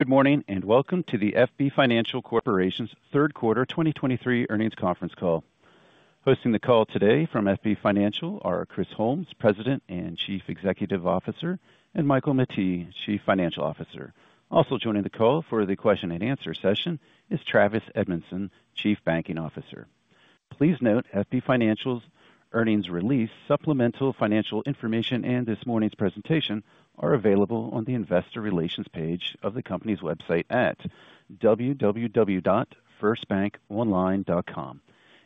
Good morning, and welcome to the FB Financial Corporation's third quarter 2023 earnings conference call. Hosting the call today from FB Financial are Chris Holmes, President and Chief Executive Officer, and Michael Mettee, Chief Financial Officer. Also joining the call for the question and answer session is Travis Edmondson, Chief Banking Officer. Please note, FB Financial's earnings release, supplemental financial information and this morning's presentation are available on the investor relations page of the company's website at www.firstbankonline.com,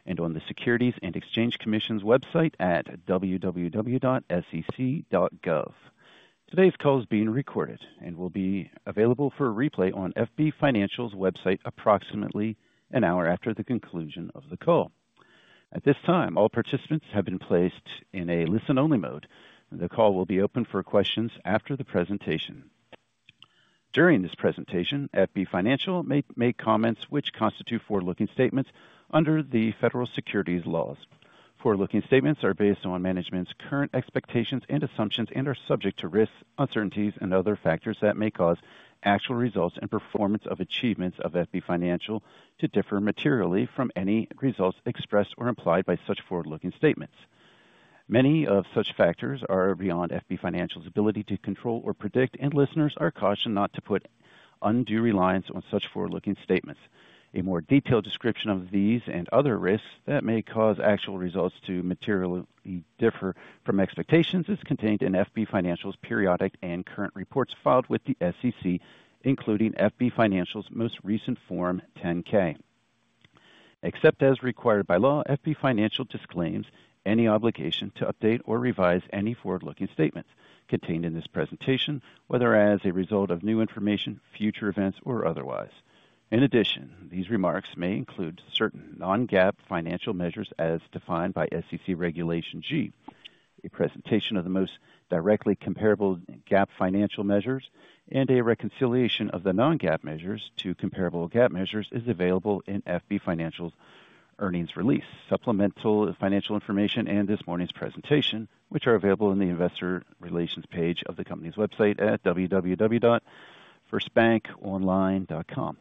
and on the Securities and Exchange Commission's website at www.sec.gov. Today's call is being recorded and will be available for a replay on FB Financial's website approximately an hour after the conclusion of the call. At this time, all participants have been placed in a listen-only mode. The call will be open for questions after the presentation. During this presentation, FB Financial may make comments which constitute forward-looking statements under the federal securities laws. Forward-looking statements are based on management's current expectations and assumptions and are subject to risks, uncertainties, and other factors that may cause actual results and performance of achievements of FB Financial to differ materially from any results expressed or implied by such forward-looking statements. Many of such factors are beyond FB Financial's ability to control or predict, and listeners are cautioned not to put undue reliance on such forward-looking statements. A more detailed description of these and other risks that may cause actual results to materially differ from expectations is contained in FB Financial's periodic and current reports filed with the SEC, including FB Financial's most recent Form 10-K. Except as required by law, FB Financial disclaims any obligation to update or revise any forward-looking statements contained in this presentation, whether as a result of new information, future events, or otherwise. In addition, these remarks may include certain non-GAAP financial measures as defined by SEC Regulation G. A presentation of the most directly comparable GAAP financial measures and a reconciliation of the non-GAAP measures to comparable GAAP measures is available in FB Financial's earnings release, supplemental financial information, and this morning's presentation, which are available in the investor relations page of the company's website at www.firstbankonline.com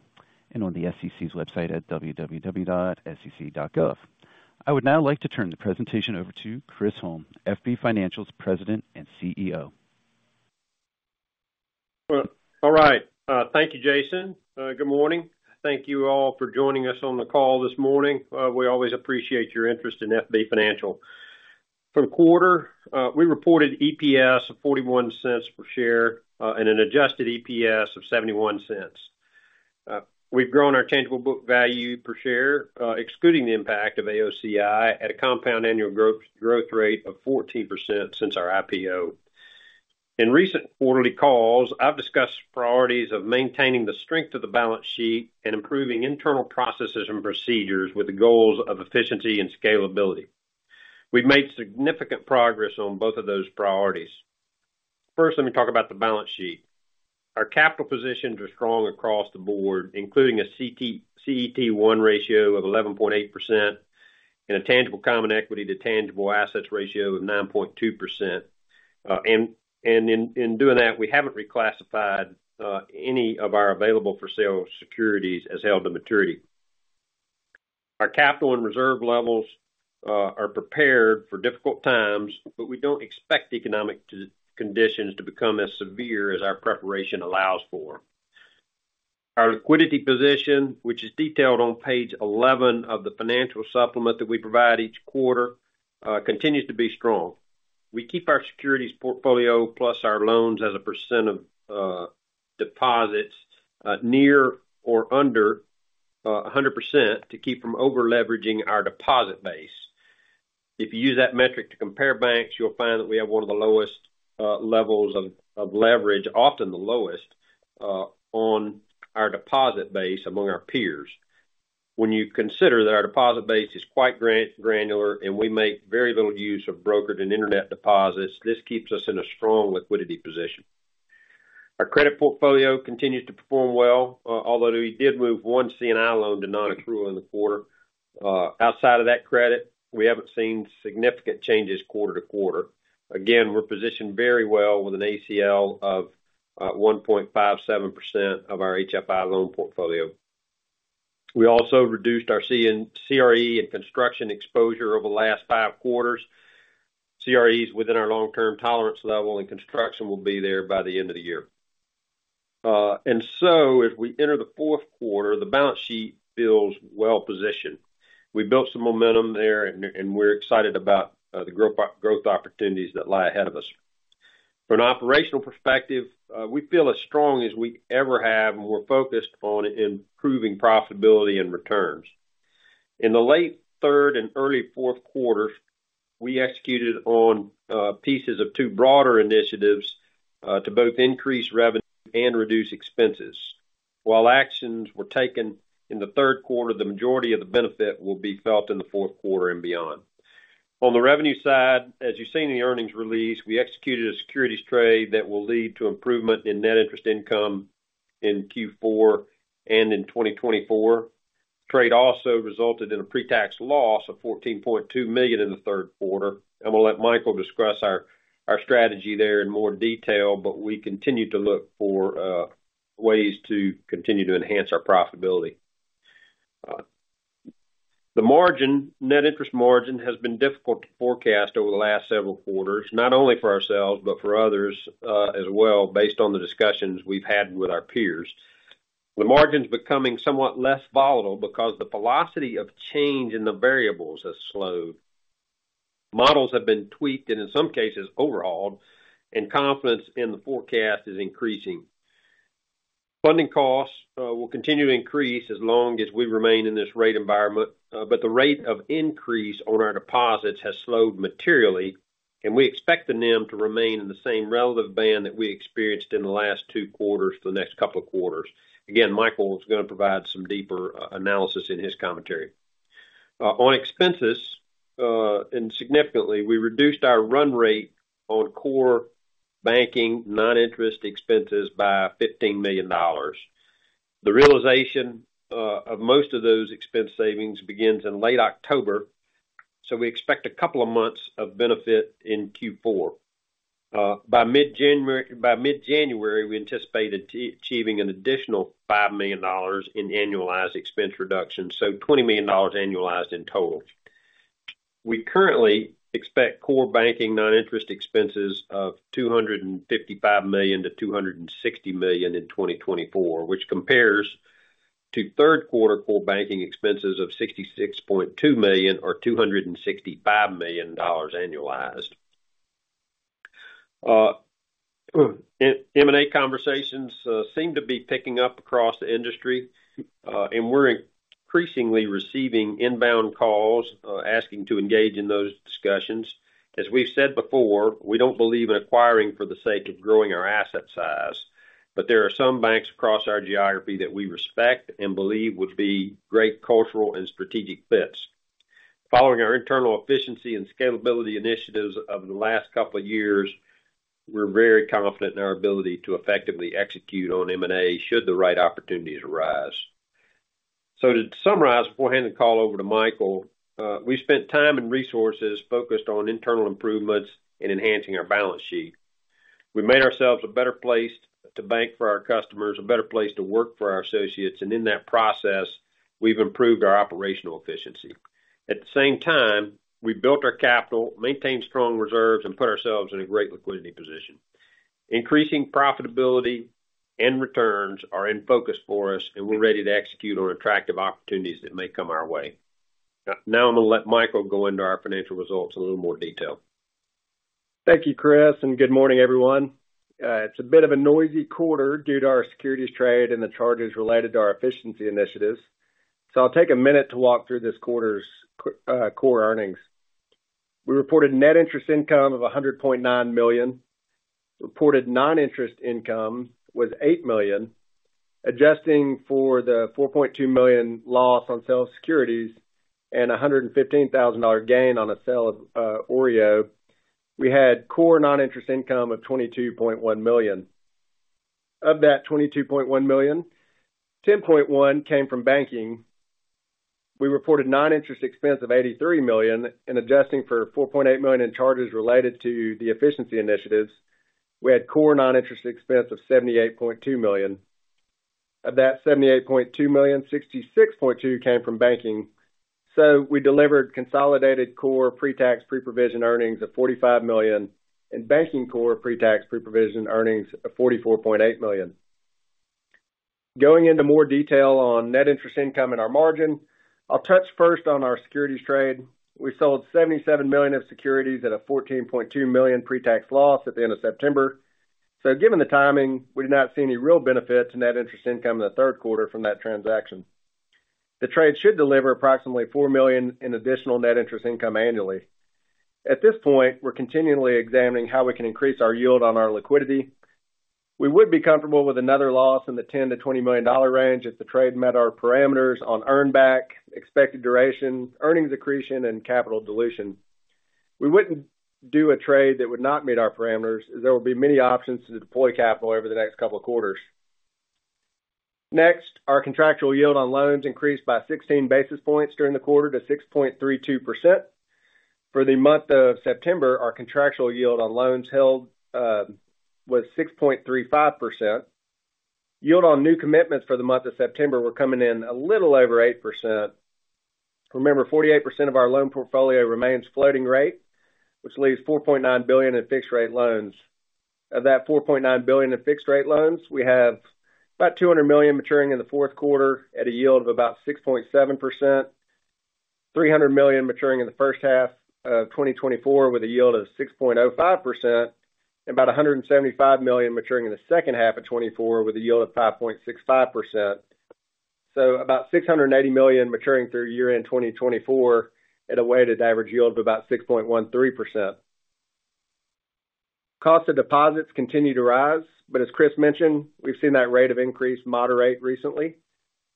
and on the SEC's website at www.sec.gov. I would now like to turn the presentation over to Chris Holmes, FB Financial's President and CEO. Well, all right. Thank you, Jason. Good morning. Thank you all for joining us on the call this morning. We always appreciate your interest in FB Financial. For the quarter, we reported EPS of $0.41 per share, and an adjusted EPS of $0.71. We've grown our tangible book value per share, excluding the impact of AOCI, at a compound annual growth rate of 14% since our IPO. In recent quarterly calls, I've discussed priorities of maintaining the strength of the balance sheet and improving internal processes and procedures with the goals of efficiency and scalability. We've made significant progress on both of those priorities. First, let me talk about the balance sheet. Our capital positions are strong across the board, including a CET1 ratio of 11.8% and a tangible common equity to tangible assets ratio of 9.2%. And in doing that, we haven't reclassified any of our available for sale securities as held to maturity. Our capital and reserve levels are prepared for difficult times, but we don't expect economic conditions to become as severe as our preparation allows for. Our liquidity position, which is detailed on page 11 of the financial supplement that we provide each quarter, continues to be strong. We keep our securities portfolio, plus our loans as a percent of deposits, near or under 100%, to keep from over-leveraging our deposit base. If you use that metric to compare banks, you'll find that we have one of the lowest levels of leverage, often the lowest, on our deposit base among our peers. When you consider that our deposit base is quite granular, and we make very little use of brokered and internet deposits, this keeps us in a strong liquidity position. Our credit portfolio continues to perform well, although we did move one C&I loan to nonaccrual in the quarter. Outside of that credit, we haven't seen significant changes quarter to quarter. Again, we're positioned very well with an ACL of 1.57% of our HFI loan portfolio. We also reduced our CRE and construction exposure over the last five quarters. CRE is within our long-term tolerance level, and construction will be there by the end of the year. And so as we enter the fourth quarter, the balance sheet feels well-positioned. We built some momentum there, and we're excited about the growth opportunities that lie ahead of us. From an operational perspective, we feel as strong as we ever have, and we're focused on improving profitability and returns. In the late third and early fourth quarter, we executed on pieces of two broader initiatives to both increase revenue and reduce expenses. While actions were taken in the third quarter, the majority of the benefit will be felt in the fourth quarter and beyond. On the revenue side, as you see in the earnings release, we executed a securities trade that will lead to improvement in net interest income in Q4 and in 2024. Trade also resulted in a pre-tax loss of $14.2 million in the third quarter. We'll let Michael discuss our, our strategy there in more detail, but we continue to look for ways to continue to enhance our profitability. The margin, net interest margin, has been difficult to forecast over the last several quarters, not only for ourselves, but for others, as well, based on the discussions we've had with our peers. The margin's becoming somewhat less volatile because the velocity of change in the variables has slowed. Models have been tweaked and in some cases overhauled, and confidence in the forecast is increasing. Funding costs will continue to increase as long as we remain in this rate environment, but the rate of increase on our deposits has slowed materially, and we expect the NIM to remain in the same relative band that we experienced in the last two quarters for the next couple of quarters. Again, Michael is going to provide some deeper analysis in his commentary. On expenses, and significantly, we reduced our run rate on core banking non-interest expenses by $15 million. The realization of most of those expense savings begins in late October, so we expect a couple of months of benefit in Q4. By mid-January, by mid-January, we anticipate achieving an additional $5 million in annualized expense reduction, so $20 million annualized in total. We currently expect core banking non-interest expenses of $255 million-$260 million in 2024, which compares to third quarter core banking expenses of $66.2 million or $265 million annualized. M&A conversations seem to be picking up across the industry, and we're increasingly receiving inbound calls asking to engage in those discussions. As we've said before, we don't believe in acquiring for the sake of growing our asset size, but there are some banks across our geography that we respect and believe would be great cultural and strategic fits. Following our internal efficiency and scalability initiatives of the last couple of years, we're very confident in our ability to effectively execute on M&A should the right opportunities arise. So to summarize before handing the call over to Michael, we spent time and resources focused on internal improvements and enhancing our balance sheet. We made ourselves a better place to bank for our customers, a better place to work for our associates, and in that process, we've improved our operational efficiency. At the same time, we built our capital, maintained strong reserves, and put ourselves in a great liquidity position. Increasing profitability and returns are in focus for us, and we're ready to execute on attractive opportunities that may come our way. Now, I'm going to let Michael go into our financial results in a little more detail. Thank you, Chris, and good morning, everyone. It's a bit of a noisy quarter due to our securities trade and the charges related to our efficiency initiatives. So I'll take a minute to walk through this quarter's core earnings. We reported net interest income of $100.9 million. Reported non-interest income was $8 million. Adjusting for the $4.2 million loss on sale of securities and $115,000 gain on a sale of, uh, OREO, we had core non-interest income of $22.1 million. Of that $22.1 million, $10.1 million came from banking. We reported non-interest expense of $83 million, and adjusting for $4.8 million in charges related to the efficiency initiatives, we had core non-interest expense of $78.2 million. Of that $78.2 million, $66.2 million came from banking. So we delivered consolidated core pre-tax, pre-provision earnings of $45 million and banking core pre-tax, pre-provision earnings of $44.8 million. Going into more detail on net interest income and our margin, I'll touch first on our securities trade. We sold $77 million of securities at a $14.2 million pre-tax loss at the end of September. So given the timing, we did not see any real benefit to net interest income in the third quarter from that transaction. The trade should deliver approximately $4 million in additional net interest income annually. At this point, we're continually examining how we can increase our yield on our liquidity. We would be comfortable with another loss in the $10 million-$20 million range if the trade met our parameters on earn back, expected duration, earnings accretion, and capital dilution. We wouldn't do a trade that would not meet our parameters, as there will be many options to deploy capital over the next couple of quarters. Next, our contractual yield on loans increased by 16 basis points during the quarter to 6.32%. For the month of September, our contractual yield on loans held was 6.35%. Yield on new commitments for the month of September were coming in a little over 8%. Remember, 48% of our loan portfolio remains floating rate, which leaves $4.9 billion in fixed-rate loans. Of that $4.9 billion in fixed-rate loans, we have about $200 million maturing in the fourth quarter at a yield of about 6.7%, $300 million maturing in the first half of 2024 with a yield of 6.05%, and about $175 million maturing in the second half of 2024 with a yield of 5.65%. So about $680 million maturing through year-end 2024 at a weighted average yield of about 6.13%. Cost of deposits continue to rise, but as Chris mentioned, we've seen that rate of increase moderate recently.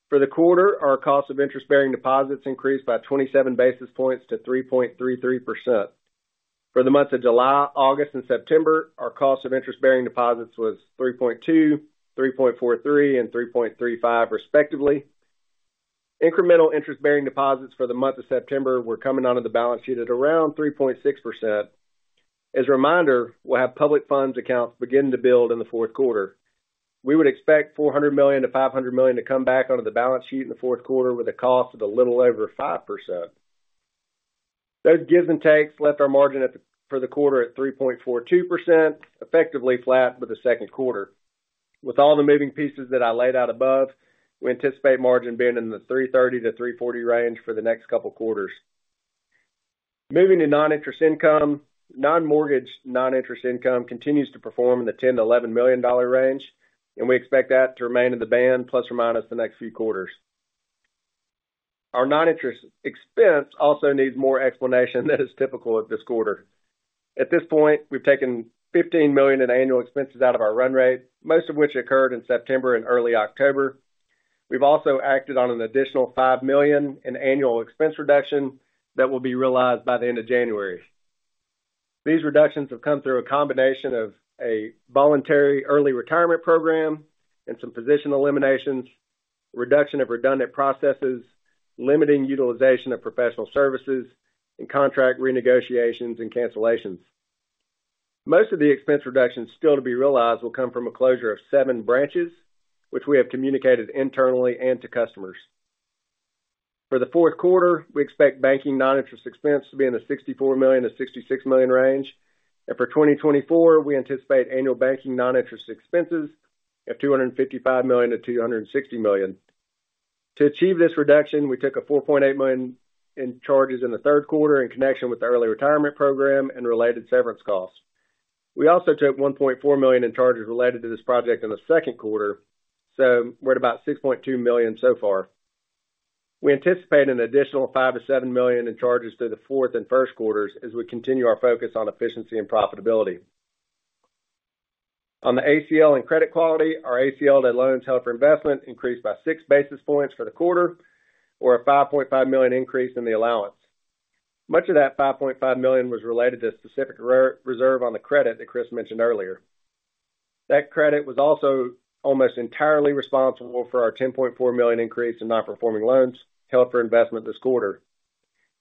For the quarter, our cost of interest-bearing deposits increased by 27 basis points to 3.33%....For the months of July, August, and September, our cost of interest-bearing deposits was 3.2%, 3.43%, and 3.35%, respectively. Incremental interest-bearing deposits for the month of September were coming onto the balance sheet at around 3.6%. As a reminder, we'll have public funds accounts beginning to build in the fourth quarter. We would expect $400 million-$500 million to come back onto the balance sheet in the fourth quarter, with a cost of a little over 5%. Those gives and takes left our margin for the quarter at 3.42%, effectively flat for the second quarter. With all the moving pieces that I laid out above, we anticipate margin being in the 3.30-3.40 range for the next couple quarters. Moving to non-interest income. Non-mortgage non-interest income continues to perform in the $10-$11 million range, and we expect that to remain in the band, plus or minus the next few quarters. Our non-interest expense also needs more explanation than is typical of this quarter. At this point, we've taken $15 million in annual expenses out of our run rate, most of which occurred in September and early October. We've also acted on an additional $5 million in annual expense reduction that will be realized by the end of January. These reductions have come through a combination of a voluntary early retirement program and some position eliminations, reduction of redundant processes, limiting utilization of professional services, and contract renegotiations and cancellations. Most of the expense reductions still to be realized will come from a closure of 7 branches, which we have communicated internally and to customers. For the fourth quarter, we expect banking non-interest expense to be in the $64 million-$66 million range, and for 2024, we anticipate annual banking non-interest expenses of $255 million-$260 million. To achieve this reduction, we took a $4.8 million in charges in the third quarter in connection with the early retirement program and related severance costs. We also took $1.4 million in charges related to this project in the second quarter, so we're at about $6.2 million so far. We anticipate an additional $5 million-$7 million in charges through the fourth and first quarters as we continue our focus on efficiency and profitability. On the ACL and credit quality, our ACL to loans held for investment increased by 6 basis points for the quarter, or a $5.5 million increase in the allowance. Much of that $5.5 million was related to a specific reserve on the credit that Chris mentioned earlier. That credit was also almost entirely responsible for our $10.4 million increase in non-performing loans held for investment this quarter.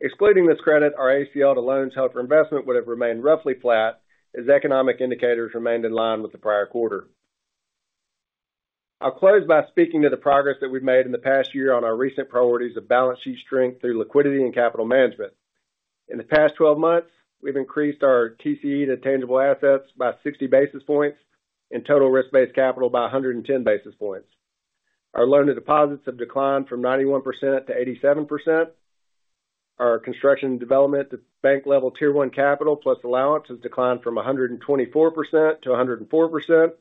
Excluding this credit, our ACL to loans held for investment would have remained roughly flat, as economic indicators remained in line with the prior quarter. I'll close by speaking to the progress that we've made in the past year on our recent priorities of balance sheet strength through liquidity and capital management. In the past 12 months, we've increased our TCE to tangible assets by 60 basis points and total risk-based capital by 110 basis points. Our loan to deposits have declined from 91% to 87%. Our construction and development to bank-level Tier 1 capital plus allowance has declined from 124% to 104%,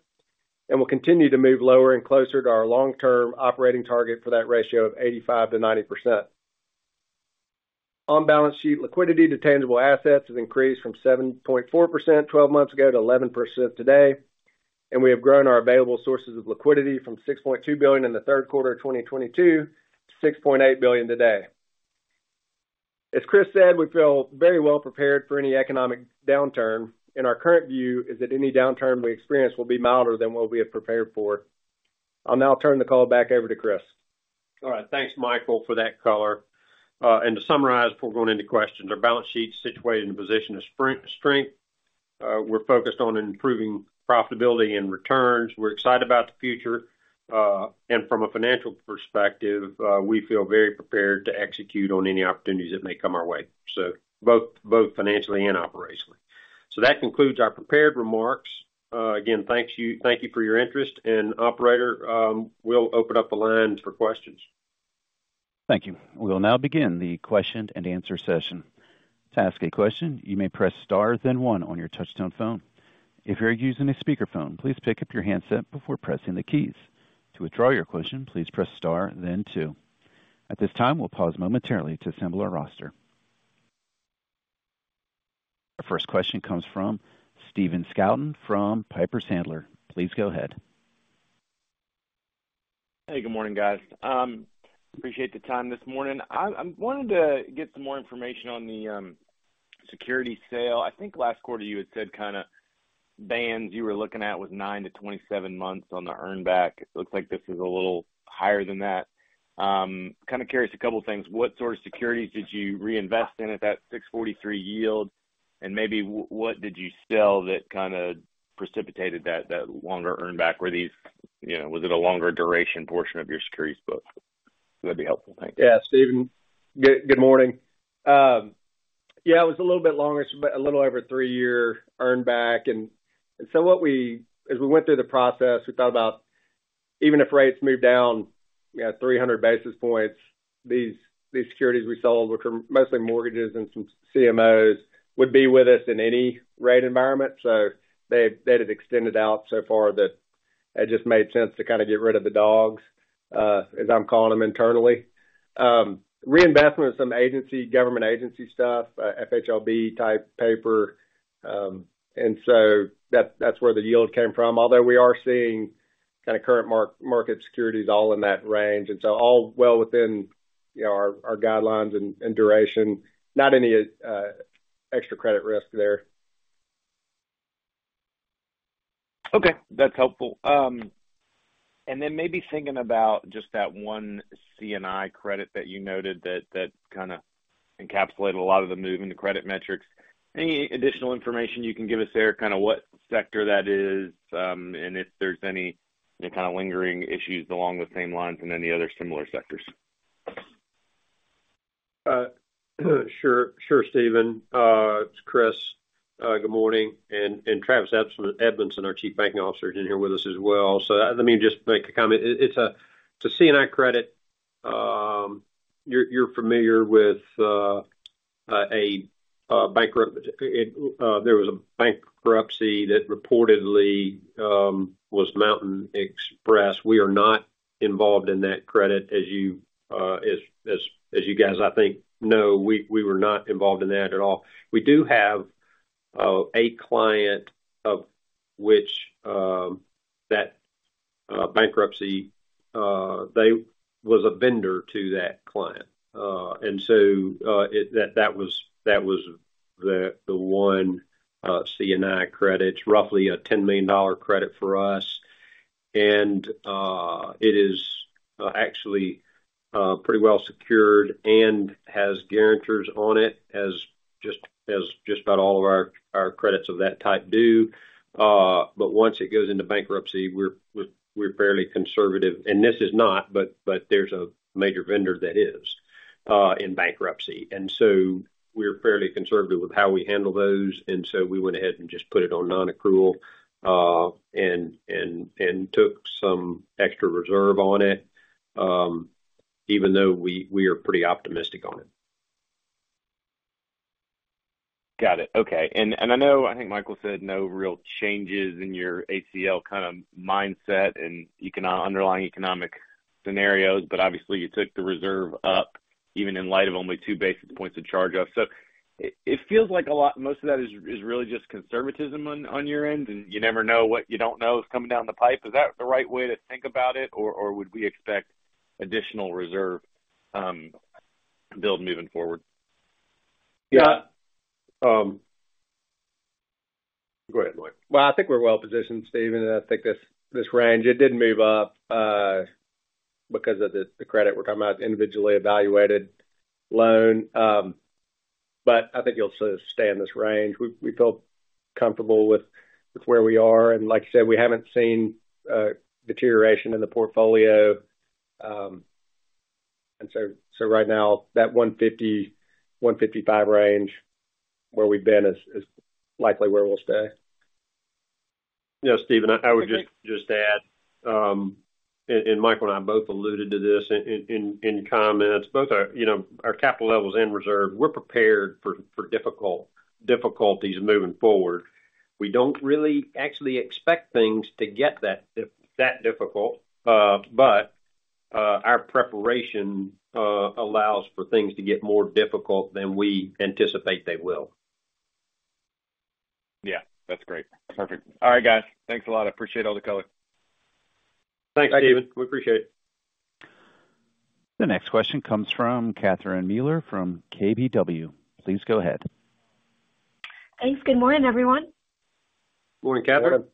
and will continue to move lower and closer to our long-term operating target for that ratio of 85%-90%. On balance sheet, liquidity to tangible assets has increased from 7.4% 12 months ago to 11% today, and we have grown our available sources of liquidity from $6.2 billion in the third quarter of 2022 to $6.8 billion today. As Chris said, we feel very well prepared for any economic downturn, and our current view is that any downturn we experience will be milder than what we have prepared for. I'll now turn the call back over to Chris. All right. Thanks, Michael, for that color. And to summarize, before going into questions, our balance sheet's situated in a position of strength. We're focused on improving profitability and returns. We're excited about the future, and from a financial perspective, we feel very prepared to execute on any opportunities that may come our way, so both, both financially and operationally. So that concludes our prepared remarks. Again, thank you for your interest, and Operator, we'll open up the line for questions. Thank you. We'll now begin the question and answer session. To ask a question, you may press star, then one on your touchtone phone. If you're using a speakerphone, please pick up your handset before pressing the keys. To withdraw your question, please press star then two. At this time, we'll pause momentarily to assemble our roster. Our first question comes from Steven Scouten from Piper Sandler. Please go ahead. Hey, good morning, guys. Appreciate the time this morning. I wanted to get some more information on the security sale. I think last quarter you had said kind of bands you were looking at was 9-27 months on the earn back. It looks like this is a little higher than that. Kind of curious, a couple things: What sort of securities did you reinvest in at that 6.43 yield? And maybe what did you sell that kind of precipitated that longer earn back? Were these—you know, was it a longer duration portion of your securities book? That'd be helpful. Thanks. Yeah, Steven, good morning. Yeah, it was a little bit longer, so about a little over a 3-year earn back. As we went through the process, we thought about, even if rates moved down, we had 300 basis points, these, these securities we sold, which are mostly mortgages and some CMOs, would be with us in any rate environment. So they, they'd have extended out so far that it just made sense to kind of get rid of the dogs, as I'm calling them internally. Reinvestment of some agency, government agency stuff, FHLB-type paper, and so that, that's where the yield came from. Although, we are seeing kind of, current market securities all in that range, and so all well within, you know, our, our guidelines and, and duration, not any extra credit risk there. Okay, that's helpful. And then maybe thinking about just that one C&I credit that you noted that kind of encapsulated a lot of the move in the credit metrics. Any additional information you can give us there, kind of what sector that is, and if there's any kind of lingering issues along those same lines in any other similar sectors? Sure, sure, Steven, it's Chris, good morning. And Travis Edmondson, our chief banking officer, is in here with us as well. So, let me just make a comment. It's a C&I credit you're familiar with. There was a bankruptcy that reportedly was Mountain Express. We are not involved in that credit, as you guys, I think know, we were not involved in that at all. We do have a client of which that bankruptcy they was a vendor to that client. And so, it, that was the one C&I credit. It's roughly a $10 million credit for us, and it is actually pretty well secured and has guarantors on it, as just about all of our credits of that type do. But once it goes into bankruptcy, we're fairly conservative. And this is not, but there's a major vendor that is in bankruptcy. And so we're fairly conservative with how we handle those, and so we went ahead and just put it on nonaccrual and took some extra reserve on it, even though we are pretty optimistic on it. Got it. Okay. And I know—I think Michael said no real changes in your ACL kind of mindset and underlying economic scenarios, but obviously, you took the reserve up, even in light of only two basis points of charge-off. So it feels like a lot—most of that is really just conservatism on your end, and you never know what you don't know is coming down the pipe. Is that the right way to think about it, or would we expect additional reserve build moving forward? Yeah. Go ahead, Mike. Well, I think we're well positioned, Steven, and I think this, this range, it did move up, because of the, the credit we're talking about, individually evaluated loan. But I think you'll sort of stay in this range. We, we feel comfortable with, with where we are, and like I said, we haven't seen, deterioration in the portfolio. And so, so right now, that 150-155 range, where we've been is, is likely where we'll stay. Yeah, Steven, I would just add, and Michael and I both alluded to this in comments, both our, you know, our capital levels and reserve, we're prepared for difficulties moving forward. We don't really actually expect things to get that difficult, but our preparation allows for things to get more difficult than we anticipate they will. Yeah, that's great. Perfect. All right, guys. Thanks a lot. I appreciate all the color. Thanks, Steven. We appreciate it. The next question comes from Catherine Mealor from KBW. Please go ahead. Thanks. Good morning, everyone. Morning, Catherine.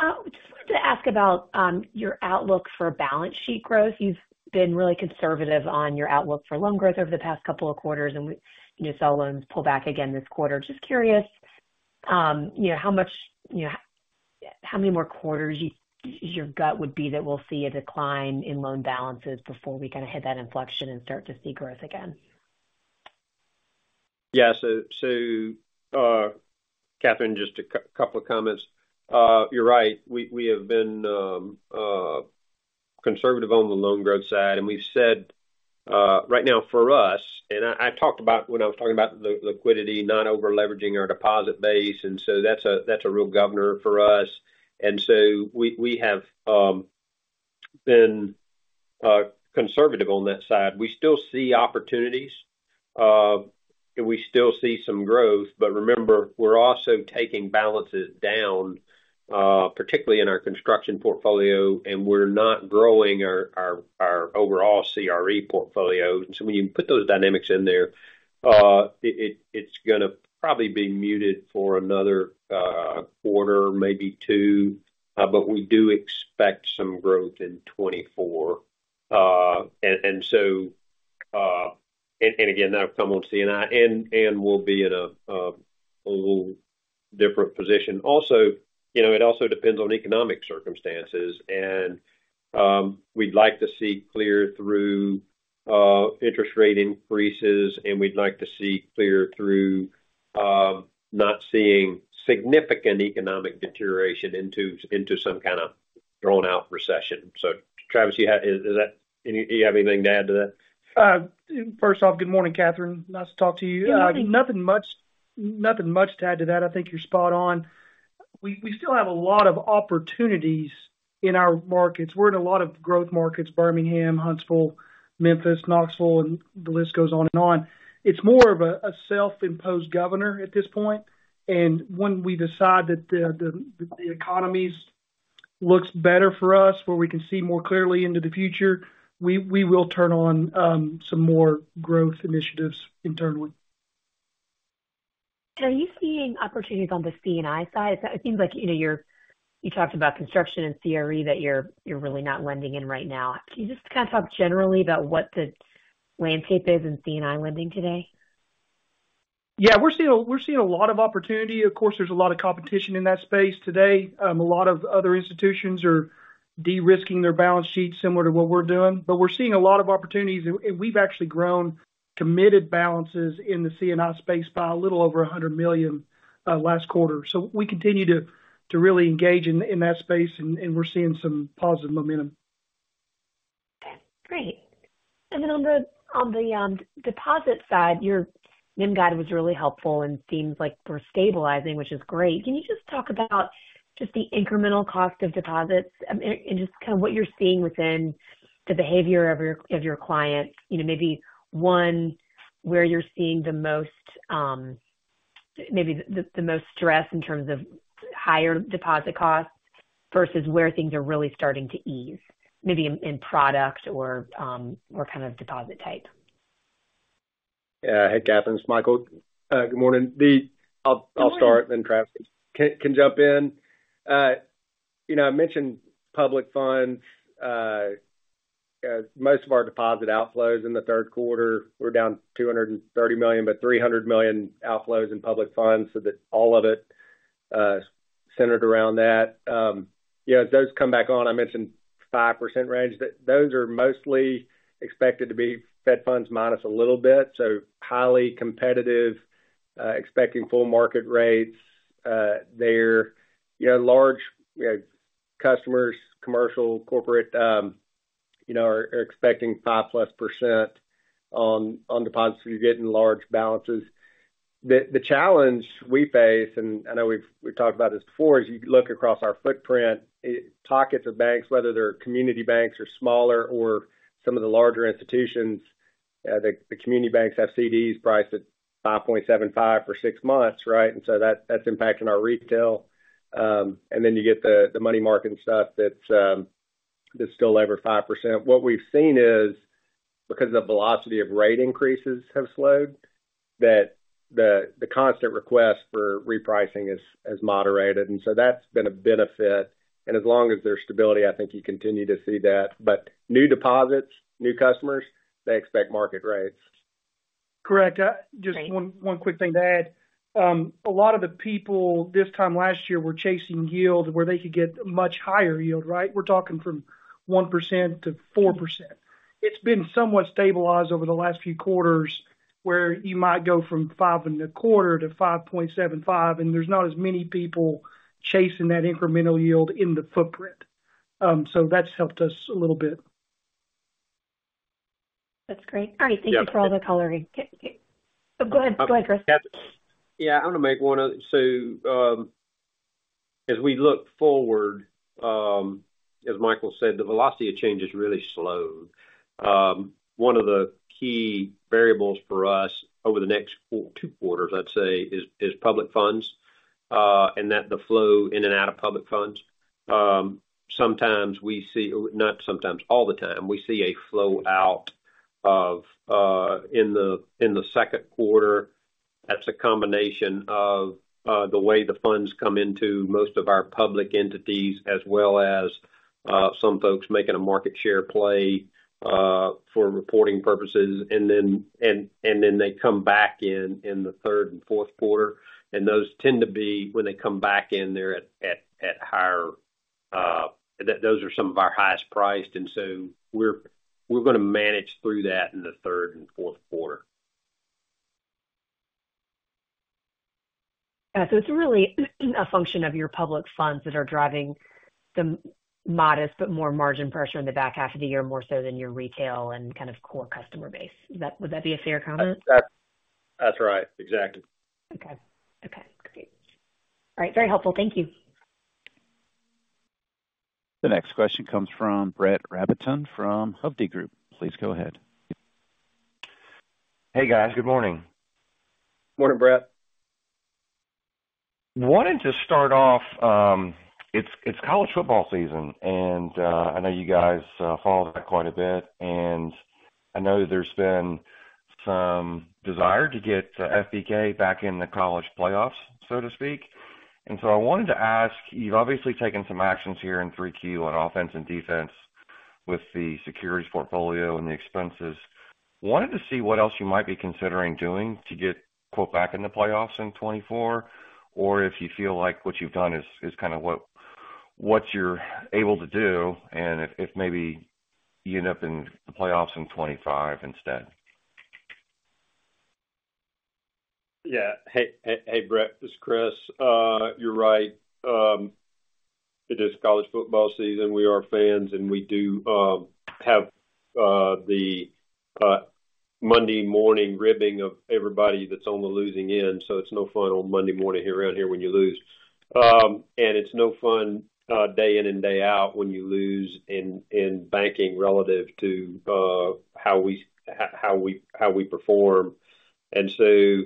Morning. Just wanted to ask about your outlook for balance sheet growth. You've been really conservative on your outlook for loan growth over the past couple of quarters, and you saw loans pull back again this quarter. Just curious, you know, how much you know, how many more quarters your gut would be that we'll see a decline in loan balances before we kind of hit that inflection and start to see growth again? Yeah, so, Catherine, just a couple of comments. You're right, we have been conservative on the loan growth side, and we've said, right now, for us, and I talked about when I was talking about the liquidity, not over-leveraging our deposit base, and so that's a real governor for us. And so we have been conservative on that side. We still see opportunities, and we still see some growth. But remember, we're also taking balances down, particularly in our construction portfolio, and we're not growing our overall CRE portfolio. And so when you put those dynamics in there, it's gonna probably be muted for another quarter, maybe two. But we do expect some growth in 2024. And so, again, that'll come on C&I, and we'll be in a little different position. Also, you know, it also depends on economic circumstances, and we'd like to see clear through interest rate increases, and we'd like to see clear through not seeing significant economic deterioration into some kind of drawn-out recession. So Travis, do you have anything to add to that? First off, good morning, Catherine. Nice to talk to you. Good morning. Nothing much, nothing much to add to that. I think you're spot on. We still have a lot of opportunities in our markets. We're in a lot of growth markets, Birmingham, Huntsville, Memphis, Knoxville, and the list goes on and on. It's more of a self-imposed governor at this point. And when we decide that the economy looks better for us, where we can see more clearly into the future, we will turn on some more growth initiatives internally. Are you seeing opportunities on the C&I side? It seems like, you know, you talked about construction and CRE, that you're really not lending in right now. Can you just kind of talk generally about what the landscape is in C&I lending today? Yeah, we're seeing a lot of opportunity. Of course, there's a lot of competition in that space today. A lot of other institutions are de-risking their balance sheets similar to what we're doing. But we're seeing a lot of opportunities, and we've actually grown committed balances in the C&I space by a little over $100 million last quarter. So we continue to really engage in that space, and we're seeing some positive momentum. Great. Then on the deposit side, your NIM guide was really helpful and seems like we're stabilizing, which is great. Can you just talk about just the incremental cost of deposits and just kind of what you're seeing within the behavior of your clients? You know, maybe where you're seeing the most stress in terms of higher deposit costs versus where things are really starting to ease, maybe in product or kind of deposit type. Yeah. Hey, Catherine, it's Michael. Good morning. The- Good morning. I'll start, then Chris can jump in. You know, I mentioned public funds. Most of our deposit outflows in the third quarter were down $230 million, but $300 million outflows in public funds, so that all of it centered around that. Yeah, as those come back on, I mentioned 5% range, but those are mostly expected to be Fed funds minus a little bit. So highly competitive, expecting full market rates. They're large customers, commercial, corporate, are expecting 5%+ on deposits, you're getting large balances. The challenge we face, and I know we've talked about this before, as you look across our footprint, pockets of banks, whether they're community banks or smaller or some of the larger institutions, the community banks have CDs priced at 5.75 for six months, right? And so that's impacting our retail. And then you get the money market and stuff that's still over 5%. What we've seen is, because the velocity of rate increases have slowed, that the constant request for repricing has moderated, and so that's been a benefit. And as long as there's stability, I think you continue to see that. But new deposits, new customers, they expect market rates. Correct. Uh- Great. Just one quick thing to add. A lot of the people this time last year were chasing yield, where they could get a much higher yield, right? We're talking from 1% to 4%. It's been somewhat stabilized over the last few quarters, where you might go from 5.25 to 5.75, and there's not as many people chasing that incremental yield in the footprint. So that's helped us a little bit. That's great. All right- Yeah. Thank you for all the coloring. Oh, go ahead. Go ahead, Chris. Yeah, I'm going to make one other. So, as we look forward, as Michael said, the velocity of change has really slowed. One of the key variables for us over the next two quarters, I'd say, is public funds and the flow in and out of public funds. Sometimes we see, not sometimes, all the time, we see a flow out of in the second quarter. That's a combination of the way the funds come into most of our public entities, as well as some folks making a market share play for reporting purposes, and then they come back in in the third and fourth quarter. And those tend to be when they come back in, they're at higher, those are some of our highest priced, and so we're going to manage through that in the third and fourth quarter. So it's really a function of your public funds that are driving the modest but more margin pressure in the back half of the year, more so than your retail and kind of core customer base. Would that be a fair comment? That's, that's right. Exactly. Okay. Okay, great. All right. Very helpful. Thank you. The next question comes from Brett Rabatin from Hovde Group. Please go ahead. Hey, guys. Good morning. Morning, Brett. Wanted to start off, it's college football season, and I know you guys follow that quite a bit. And I know there's been some desire to get FBK back in the college playoffs, so to speak. And so I wanted to ask, you've obviously taken some actions here in 3Q on offense and defense with the securities portfolio and the expenses. Wanted to see what else you might be considering doing to get, "back in the playoffs in 2024," or if you feel like what you've done is kind of what you're able to do, and if maybe you end up in the playoffs in 2025 instead. Yeah. Hey, Brett, this is Chris. You're right. It is college football season. We are fans, and we do have the Monday morning ribbing of everybody that's on the losing end, so it's no fun on Monday morning here, around here when you lose. And it's no fun day in and day out when you lose in banking relative to how we perform. And so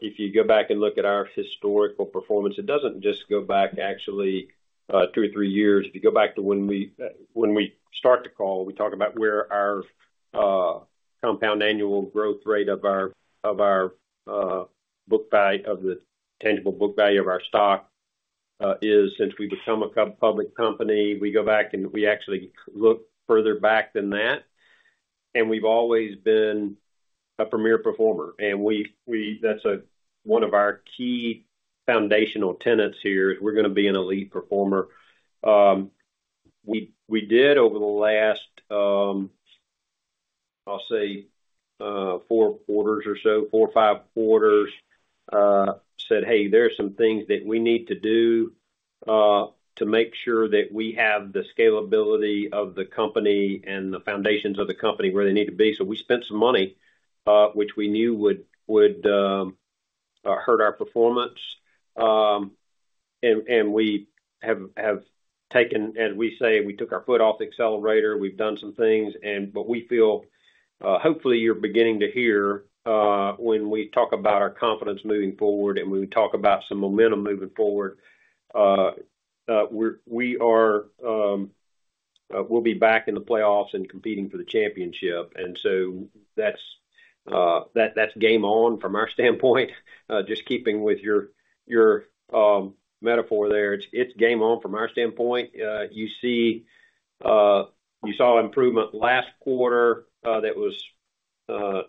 if you go back and look at our historical performance, it doesn't just go back actually two or three years. If you go back to when we start the call, we talk about where our compound annual growth rate of our book value of the tangible book value of our stock is since we become a public company, we go back and we actually look further back than that, and we've always been a premier performer. That's one of our key foundational tenets here, is we're gonna be an elite performer. We did over the last, I'll say, four quarters or so, four or five quarters, said, "Hey, there are some things that we need to do to make sure that we have the scalability of the company and the foundations of the company where they need to be." So we spent some money, which we knew would hurt our performance. And we have taken—as we say, we took our foot off the accelerator, we've done some things, but we feel, hopefully, you're beginning to hear when we talk about our confidence moving forward, and when we talk about some momentum moving forward, we are, we'll be back in the playoffs and competing for the championship. And so that's game on from our standpoint. Just keeping with your, your, metaphor there. It's, it's game on from our standpoint. You see, you saw improvement last quarter, that was,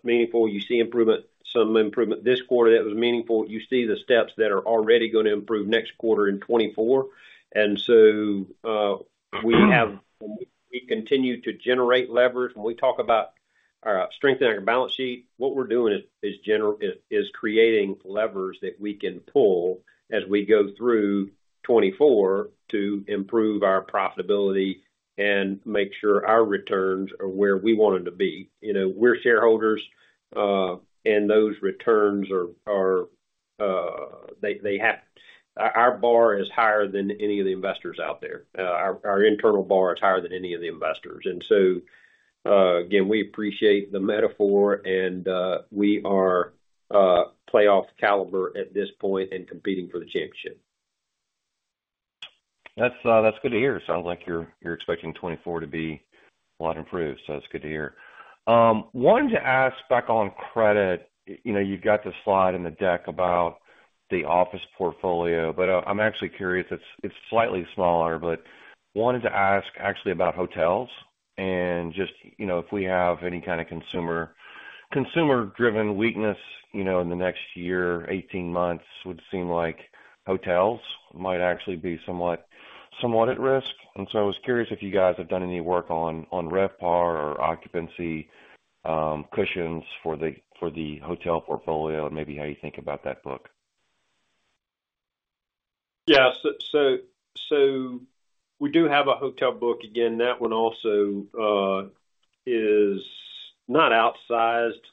meaningful. You see improvement—some improvement this quarter that was meaningful. You see the steps that are already gonna improve next quarter in 2024. And so, we continue to generate leverage. When we talk about, strengthening our balance sheet, what we're doing is creating levers that we can pull as we go through 2024 to improve our profitability and make sure our returns are where we want them to be. You know, we're shareholders, and those returns are, are, they, they have... Our, our bar is higher than any of the investors out there. Our, our internal bar is higher than any of the investors. And so, again, we appreciate the metaphor, and we are playoff caliber at this point and competing for the championship. That's good to hear. Sounds like you're expecting 2024 to be a lot improved, so that's good to hear. Wanted to ask back on credit, you know, you've got the slide in the deck about the office portfolio, but I'm actually curious. It's slightly smaller, but wanted to ask actually about hotels and just, you know, if we have any kind of consumer-driven weakness, you know, in the next year, 18 months, would seem like hotels might actually be somewhat at risk. And so I was curious if you guys have done any work on RevPAR or occupancy cushions for the hotel portfolio, and maybe how you think about that book? Yeah. So we do have a hotel book. Again, that one also is not outsized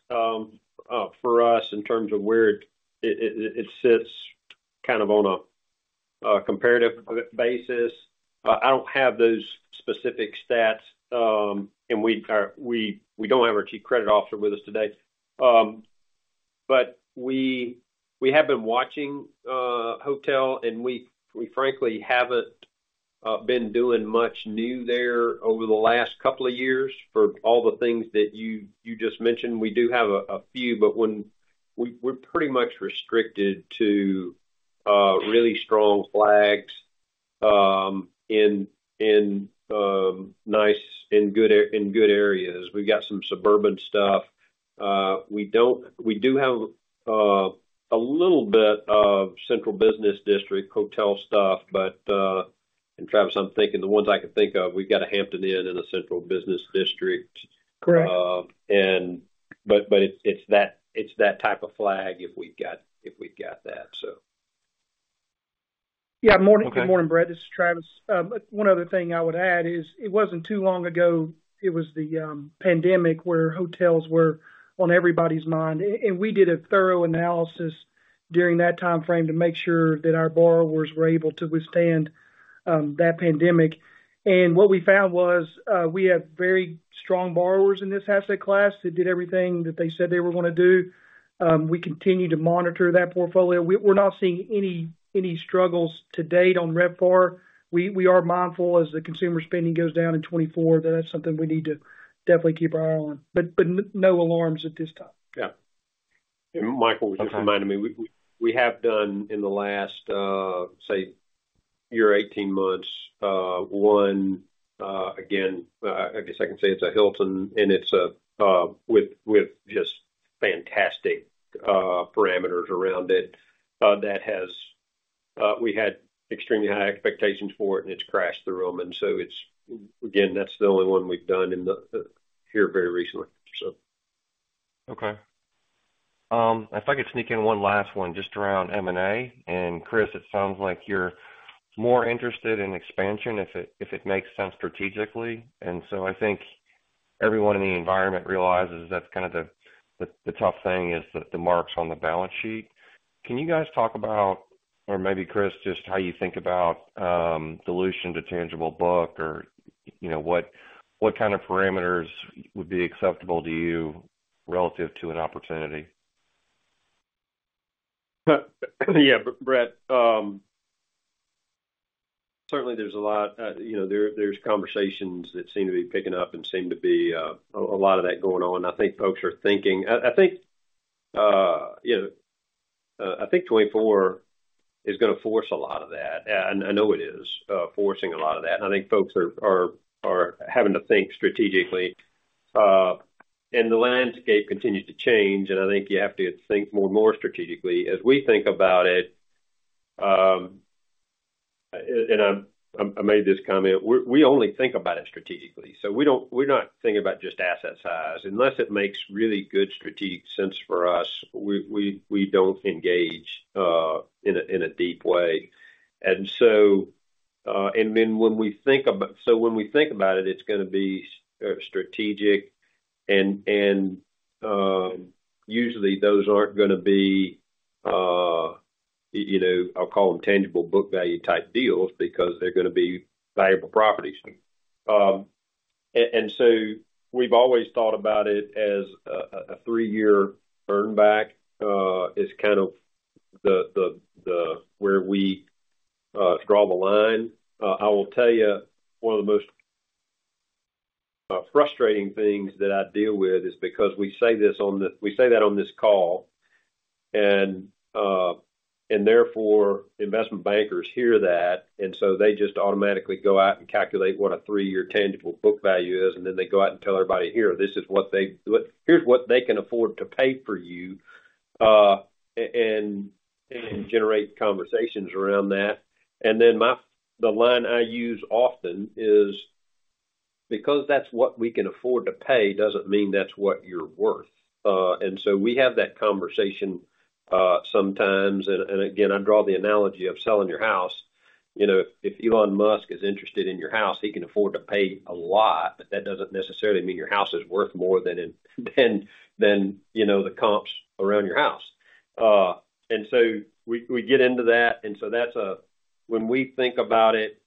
for us in terms of where it sits kind of on a comparative basis. I don't have those specific stats, and we are—we don't have our Chief Credit Officer with us today. But we have been watching hotel, and we frankly haven't been doing much new there over the last couple of years for all the things that you just mentioned. We do have a few, but we're pretty much restricted to really strong flags in nice and good—in good areas. We've got some suburban stuff. We do have a little bit of central business district hotel stuff, but, and, Travis, I'm thinking, the ones I can think of, we've got a Hampton Inn in a central business district. Correct. But it's that type of flag if we've got that, so. Yeah. Morning- Okay. Good morning, Brad, this is Travis. One other thing I would add is, it wasn't too long ago, it was the pandemic, where hotels were on everybody's mind. And we did a thorough analysis during that timeframe to make sure that our borrowers were able to withstand that pandemic. And what we found was, we have very strong borrowers in this asset class that did everything that they said they were gonna do. We continue to monitor that portfolio. We're not seeing any struggles to date on RevPAR. We are mindful as the consumer spending goes down in 2024, that that's something we need to definitely keep our eye on, but no alarms at this time. Yeah. And Michael just reminded me, we have done in the last, say, year, 18 months, one again. I guess I can say it's a Hilton, and it's with just fantastic parameters around it that has. We had extremely high expectations for it, and it's crashed through them. And so it's... Again, that's the only one we've done in the here very recently, so. Okay. If I could sneak in one last one, just around M&A. And, Chris, it sounds like you're more interested in expansion if it, if it makes sense strategically. And so I think everyone in the environment realizes that's kind of the, the, the tough thing, is the, the marks on the balance sheet. Can you guys talk about, or maybe, Chris, just how you think about, dilution to tangible book or, you know, what, what kind of parameters would be acceptable to you relative to an opportunity? Yeah, Brett, certainly there's a lot—you know, there, there's conversations that seem to be picking up and seem to be a lot of that going on. I think folks are thinking—I think, you know, I think 2024 is going to force a lot of that. And I know it is forcing a lot of that. And I think folks are having to think strategically. And the landscape continues to change, and I think you have to think more and more strategically. As we think about it, and I made this comment, we only think about it strategically, so we don't—we're not thinking about just asset size. Unless it makes really good strategic sense for us, we don't engage in a deep way. And so, when we think about it, it's going to be strategic and usually those aren't going to be, you know, I'll call them tangible book value type deals because they're going to be valuable properties. So we've always thought about it as a three-year earn back is kind of where we draw the line. I will tell you, one of the most frustrating things that I deal with is because we say that on this call, and therefore, investment bankers hear that, and so they just automatically go out and calculate what a three-year tangible book value is, and then they go out and tell everybody, "Here, this is what they can afford to pay for you," and generate conversations around that. And then, the line I use often is: Because that's what we can afford to pay, doesn't mean that's what you're worth. And so we have that conversation sometimes. And again, I draw the analogy of selling your house. You know, if Elon Musk is interested in your house, he can afford to pay a lot, but that doesn't necessarily mean your house is worth more than, you know, the comps around your house. And so we get into that, and so that's. When we think about it,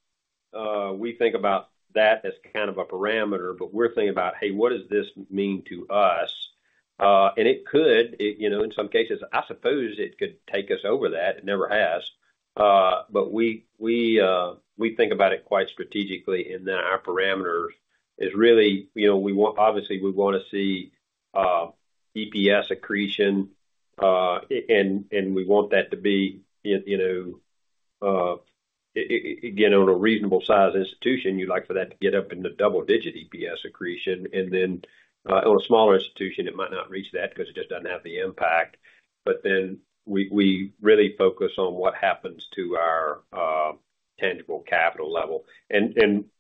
we think about that as kind of a parameter, but we're thinking about, "Hey, what does this mean to us?" And it could, you know, in some cases, I suppose it could take us over that. It never has. But we think about it quite strategically, and then our parameters is really, you know, we want—obviously, we want to see EPS accretion, and we want that to be, you know, again, on a reasonable size institution, you'd like for that to get up into double-digit EPS accretion. And then, on a smaller institution, it might not reach that because it just doesn't have the impact. But then we really focus on what happens to our tangible capital level.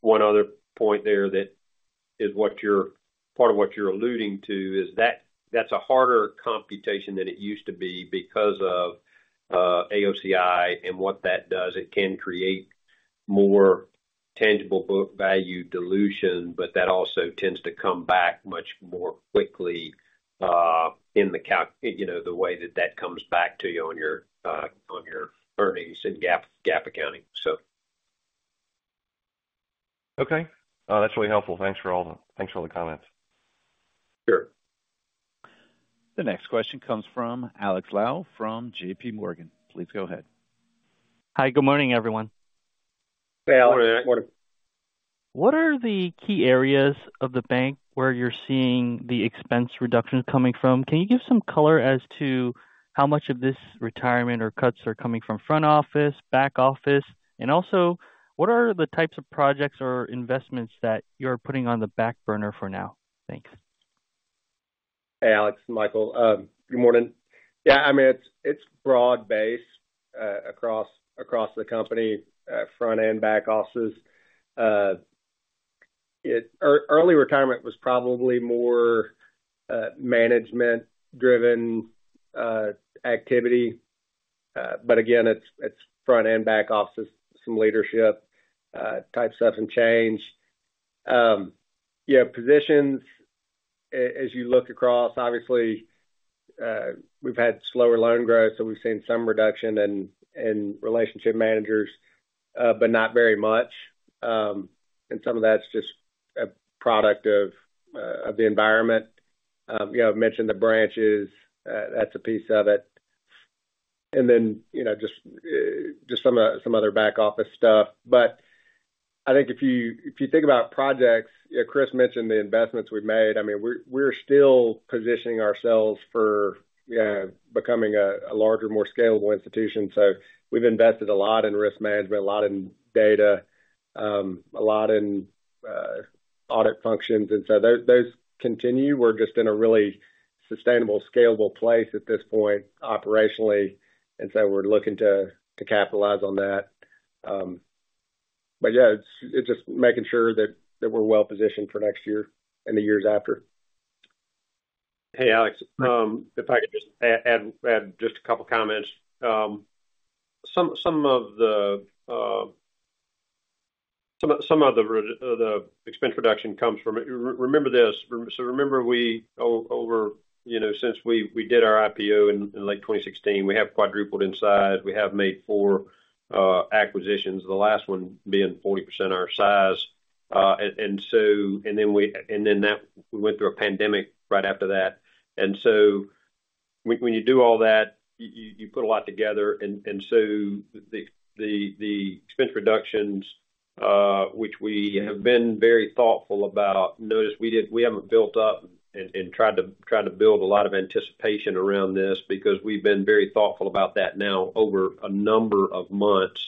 One other point there that is what you're part of what you're alluding to is that that's a harder computation than it used to be because of AOCI and what that does. It can create more tangible book value dilution, but that also tends to come back much more quickly, you know, the way that that comes back to you on your earnings in GAAP accounting, so. Okay. That's really helpful. Thanks for all the, thanks for all the comments. Sure. The next question comes from Alex Lau, from J.P. Morgan. Please go ahead. Hi, good morning, everyone. Hey, Alex. Good morning. Good morning. What are the key areas of the bank where you're seeing the expense reductions coming from? Can you give some color as to how much of this retirement or cuts are coming from front office, back office? And also, what are the types of projects or investments that you're putting on the back burner for now? Thanks. Hey, Alex, Michael, good morning. Yeah, I mean, it's broad-based across the company, front and back offices. Early retirement was probably more management-driven activity. But again, it's front and back offices, some leadership type stuff and change. Yeah, positions, as you look across, obviously, we've had slower loan growth, so we've seen some reduction in relationship managers, but not very much. And some of that's just a product of the environment. You know, I've mentioned the branches. That's a piece of it. And then, you know, just some other back office stuff. But I think if you think about projects, yeah, Chris mentioned the investments we've made. I mean, we're still positioning ourselves for becoming a larger, more scalable institution. So we've invested a lot in risk management, a lot in data, a lot in audit functions, and so those continue. We're just in a really sustainable, scalable place at this point, operationally, and so we're looking to capitalize on that. But yeah, it's just making sure that we're well positioned for next year and the years after. Hey, Alex, if I could just add just a couple of comments. Some of the expense reduction comes from—remember this, so remember we, over you know, since we did our IPO in late 2016, we have quadrupled in size. We have made four acquisitions, the last one being 40% our size. And so—and then that, we went through a pandemic right after that. And so when you do all that, you put a lot together. And so the expense reductions, which we have been very thoughtful about. Notice we haven't built up and tried to build a lot of anticipation around this because we've been very thoughtful about that now over a number of months,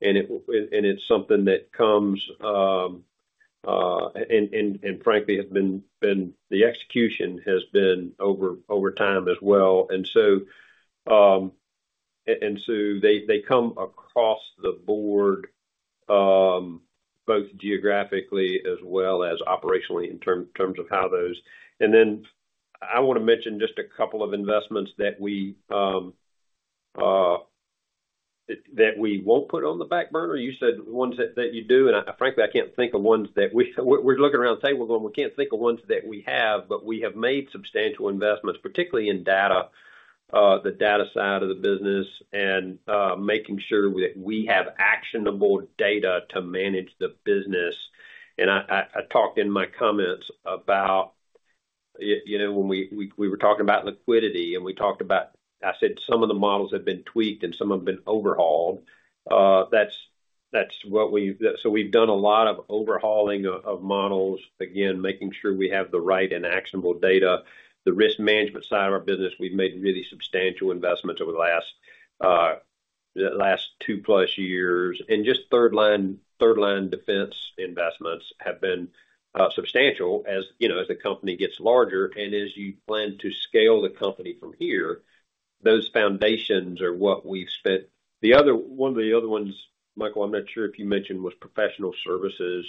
and it's something that comes... And frankly, the execution has been over time as well. And so they come across the board, both geographically as well as operationally in terms of how those... And then I want to mention just a couple of investments that we won't put on the back burner. You said ones that you do, and frankly, I can't think of ones that we... We're looking around the table going, "We can't think of ones that we have," but we have made substantial investments, particularly in data, the data side of the business, and making sure that we have actionable data to manage the business. I talked in my comments about, you know, when we were talking about liquidity, and we talked about—I said some of the models have been tweaked and some have been overhauled. That's what we've—so we've done a lot of overhauling of models, again, making sure we have the right and actionable data. The risk management side of our business, we've made really substantial investments over the last two-plus years. Just third line defense investments have been substantial. As you know, as the company gets larger and as you plan to scale the company from here, those foundations are what we've spent. The other—one of the other ones, Michael, I'm not sure if you mentioned, was professional services.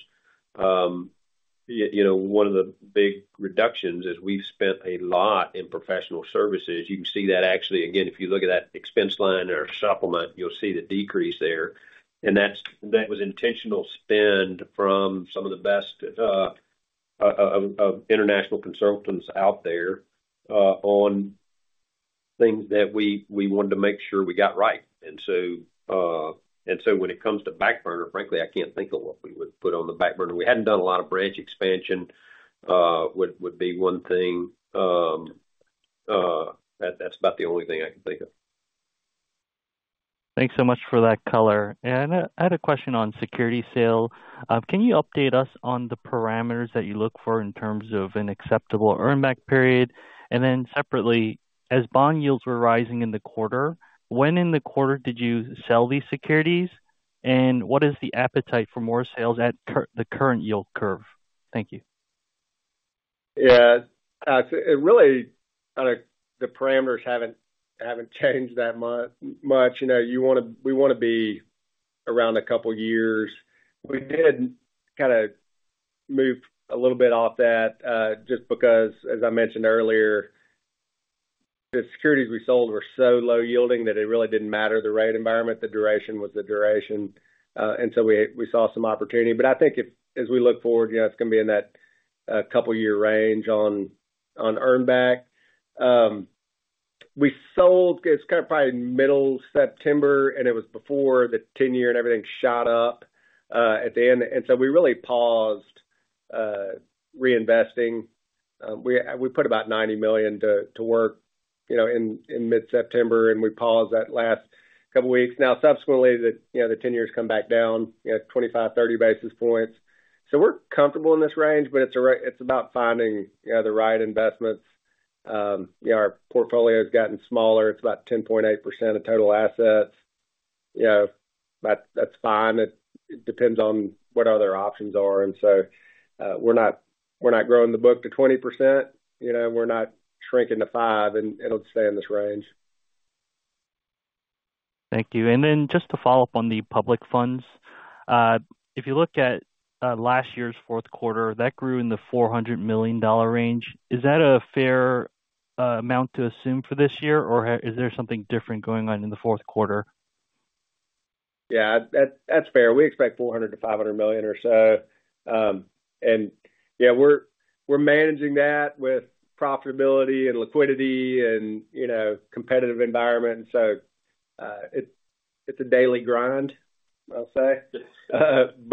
You know, one of the big reductions is we've spent a lot in professional services. You can see that actually, again, if you look at that expense line or supplement, you'll see the decrease there. And that's- that was intentional spend from some of the best, of international consultants out there, on things that we wanted to make sure we got right. And so, and so when it comes to back burner, frankly, I can't think of what we would put on the back burner. We hadn't done a lot of branch expansion, would be one thing. That's about the only thing I can think of. Thanks so much for that color. And, I had a question on security sale. Can you update us on the parameters that you look for in terms of an acceptable earn back period? And then separately, as bond yields were rising in the quarter, when in the quarter did you sell these securities? And what is the appetite for more sales at the current yield curve? Thank you. Yeah. It really, the parameters haven't changed that much. You know, you wanna—we wanna be around a couple years. We did kinda move a little bit off that, just because, as I mentioned earlier, the securities we sold were so low yielding that it really didn't matter the rate environment, the duration was the duration. And so we saw some opportunity. But I think if as we look forward, you know, it's gonna be in that couple year range on earn back. We sold, it's kind of probably mid-September, and it was before the 10-year and everything shot up at the end. And so we really paused reinvesting. We put about $90 million to work, you know, in mid-September, and we paused that last couple of weeks. Now, subsequently, you know, the 10-year comes back down, you know, 25-30 basis points. So we're comfortable in this range, but it's about finding, you know, the right investments. You know, our portfolio has gotten smaller. It's about 10.8% of total assets. You know, that's fine. It depends on what other options are. And so, we're not growing the book to 20%, you know, we're not shrinking to 5%, and it'll stay in this range. Thank you. And then just to follow up on the public funds. If you look at last year's fourth quarter, that grew in the $400 million range. Is that a fair amount to assume for this year, or is there something different going on in the fourth quarter? Yeah, that's fair. We expect $400 million-$500 million or so. And yeah, we're managing that with profitability and liquidity and, you know, competitive environment. So, it's, it's a daily grind, I'll say. But,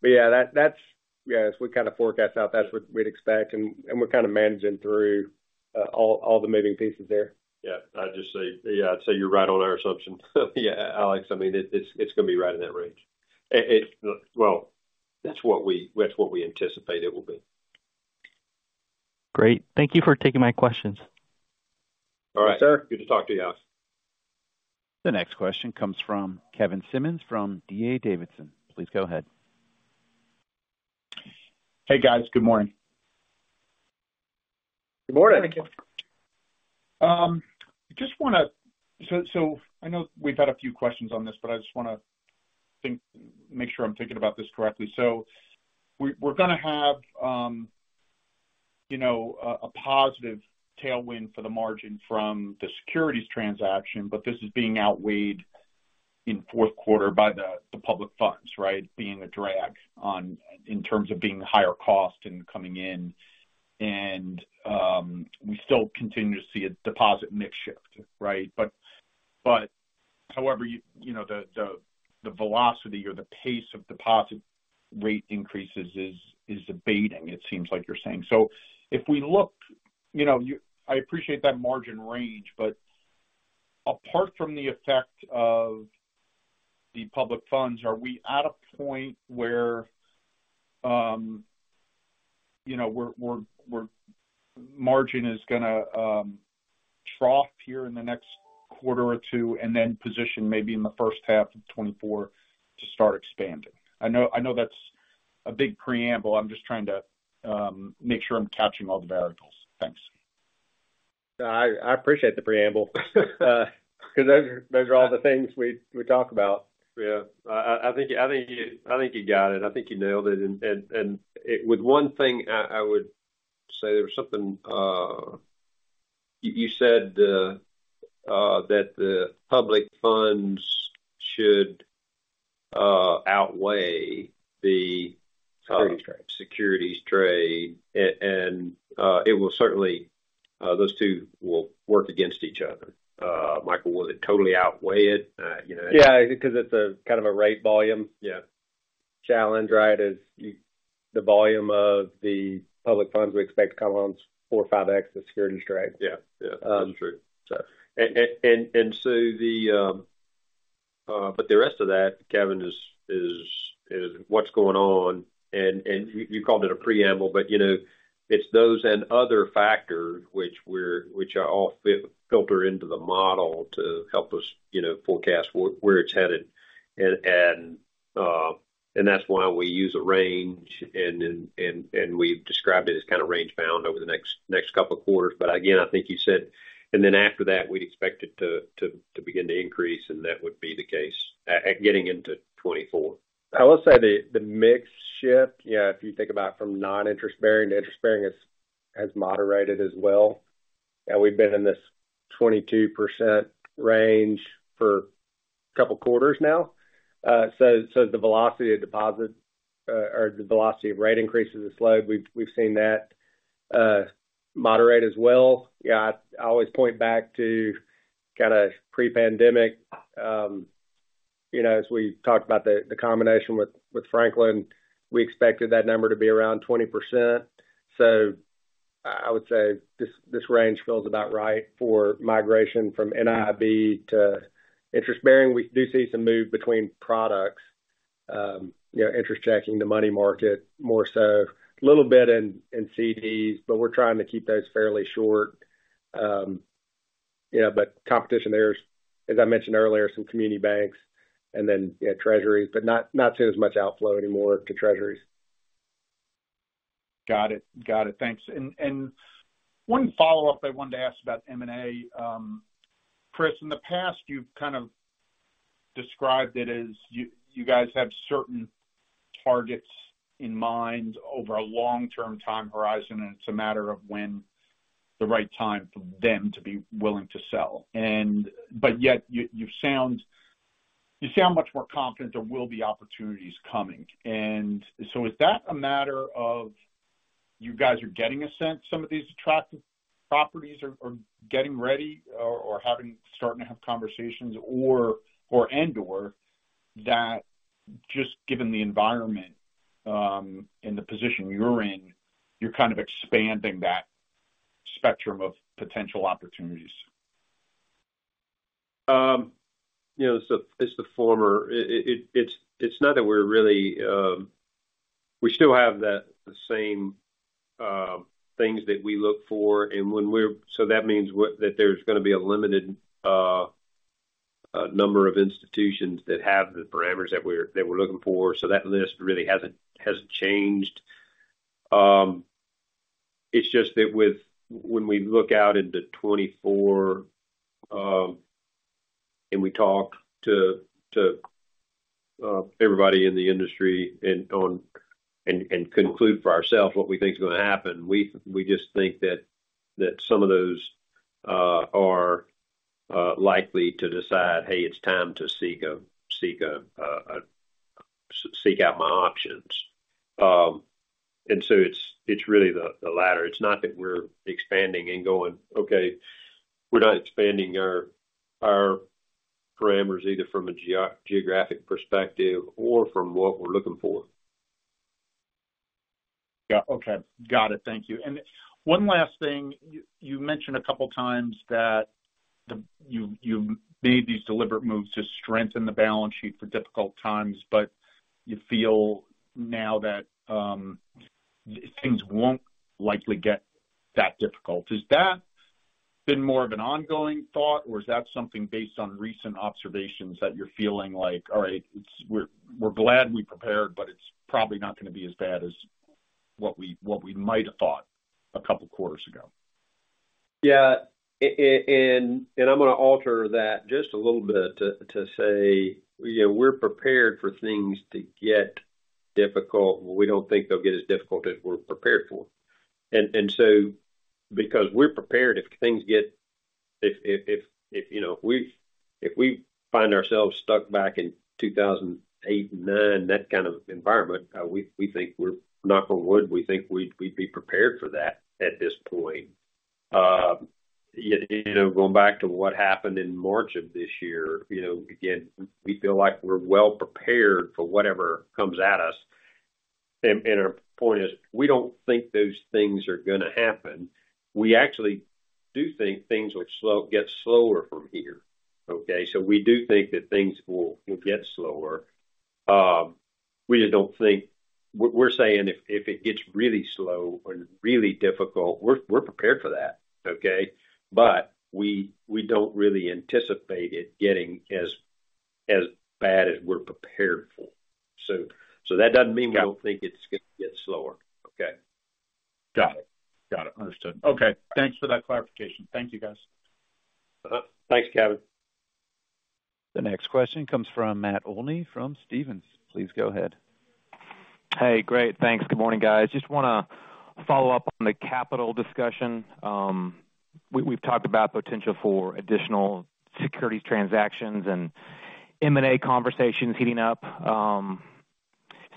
but yeah, that's... Yeah, as we kind of forecast out, that's what we'd expect, and we're kind of managing through, all, all the moving pieces there. Yeah, I'd just say, yeah, I'd say you're right on our assumption. Yeah, Alex, I mean, it's gonna be right in that range. Well, that's what we anticipate it will be. Great. Thank you for taking my questions. All right. Sure. Good to talk to you, Alex. The next question comes from Kevin Fitzsimmons, from D.A. Davidson. Please go ahead. Hey, guys. Good morning. Good morning. Good morning, Kevin. Just want to. So, I know we've had a few questions on this, but I just want to make sure I'm thinking about this correctly. So we're gonna have, you know, a positive tailwind for the margin from the securities transaction, but this is being outweighed in fourth quarter by the public funds, right? Being a drag in terms of being higher cost and coming in. And we still continue to see a deposit mix shift, right? But however, you know, the velocity or the pace of deposit rate increases is abating, it seems like you're saying. So if we look, you know, you—I appreciate that margin range, but apart from the effect of the public funds, are we at a point where, you know, where, where, where margin is going to trough here in the next quarter or two, and then position maybe in the first half of 2024 to start expanding? I know, I know that's a big preamble. I'm just trying to make sure I'm catching all the variables. Thanks. I appreciate the preamble. Because those are all the things we talk about. Yeah. I think you got it. I think you nailed it. And with one thing I would say, there was something... You said that the public funds should outweigh the- Security trade. securities trade, and it will certainly, those two will work against each other. Michael, will it totally outweigh it? You know- Yeah, because it's a kind of a rate volume- Yeah challenge, right? As you—the volume of the public funds, we expect to come on 4 or 5x the securities trade. Yeah. Yeah, that's true. So. And so, but the rest of that, Kevin, is what's going on, and you called it a preamble, but, you know, it's those and other factors which are all filtered into the model to help us, you know, forecast where it's headed. And that's why we use a range, and then we've described it as kind of range bound over the next couple of quarters. But again, I think you said, and then after that, we'd expect it to begin to increase, and that would be the case at getting into 2024. I will say the mix shift, yeah, if you think about it from non-interest bearing to interest bearing, has moderated as well. And we've been in this 22% range for a couple quarters now. So the velocity of deposit or the velocity of rate increases has slowed. We've seen that moderate as well. Yeah, I always point back to kind of pre-pandemic, you know, as we talked about the combination with Franklin, we expected that number to be around 20%. So I would say this range feels about right for migration from NIB to interest bearing. We do see some move between products, you know, interest checking to money market, more so. A little bit in CDs, but we're trying to keep those fairly short. Yeah, but competition there is, as I mentioned earlier, some community banks, and then, yeah, treasuries, but not, not seeing as much outflow anymore to treasuries. Got it. Got it. Thanks. And one follow-up I wanted to ask about M&A. Chris, in the past, you've kind of described it as you guys have certain targets in mind over a long-term time horizon, and it's a matter of when the right time for them to be willing to sell. But yet you sound much more confident there will be opportunities coming. And so is that a matter of you guys are getting a sense some of these attractive properties are getting ready or starting to have conversations, or that just given the environment and the position you're in, you're kind of expanding that spectrum of potential opportunities? You know, so it's the former. It's not that we're really... We still have the same things that we look for and when we're—so that means what—that there's going to be a limited number of institutions that have the parameters that we're looking for. So that list really hasn't changed. It's just that when we look out into 2024 and we talk to everybody in the industry and conclude for ourselves what we think is going to happen, we just think that some of those are likely to decide, hey, it's time to seek a, seek out my options. And so it's really the latter. It's not that we're expanding and going, okay, we're not expanding our parameters, either from a geographic perspective or from what we're looking for. Yeah, okay. Got it. Thank you. And one last thing. You mentioned a couple times that you made these deliberate moves to strengthen the balance sheet for difficult times, but you feel now that things won't likely get that difficult. Has that been more of an ongoing thought, or is that something based on recent observations that you're feeling like, all right, it's, we're glad we prepared, but it's probably not going to be as bad as what we might have thought a couple quarters ago?... Yeah, and I'm going to alter that just a little bit to say, you know, we're prepared for things to get difficult. We don't think they'll get as difficult as we're prepared for. And so because we're prepared, if things get, you know, if we find ourselves stuck back in 2008 and 2009, that kind of environment, we think we're, knock on wood, we think we'd be prepared for that at this point. You know, going back to what happened in March of this year, you know, again, we feel like we're well prepared for whatever comes at us. And our point is, we don't think those things are going to happen. We actually do think things will get slower from here, okay? So we do think that things will get slower. We just don't think we're saying if it gets really slow and really difficult, we're prepared for that, okay? But we don't really anticipate it getting as bad as we're prepared for. So that doesn't mean- Got it. We don't think it's going to get slower. Okay? Got it. Got it. Understood. Okay, thanks for that clarification. Thank you, guys. Thanks, Kevin. The next question comes from Matt Olney from Stephens. Please go ahead. Hey, great. Thanks. Good morning, guys. Just want to follow up on the capital discussion. We've talked about potential for additional securities transactions and M&A conversations heating up.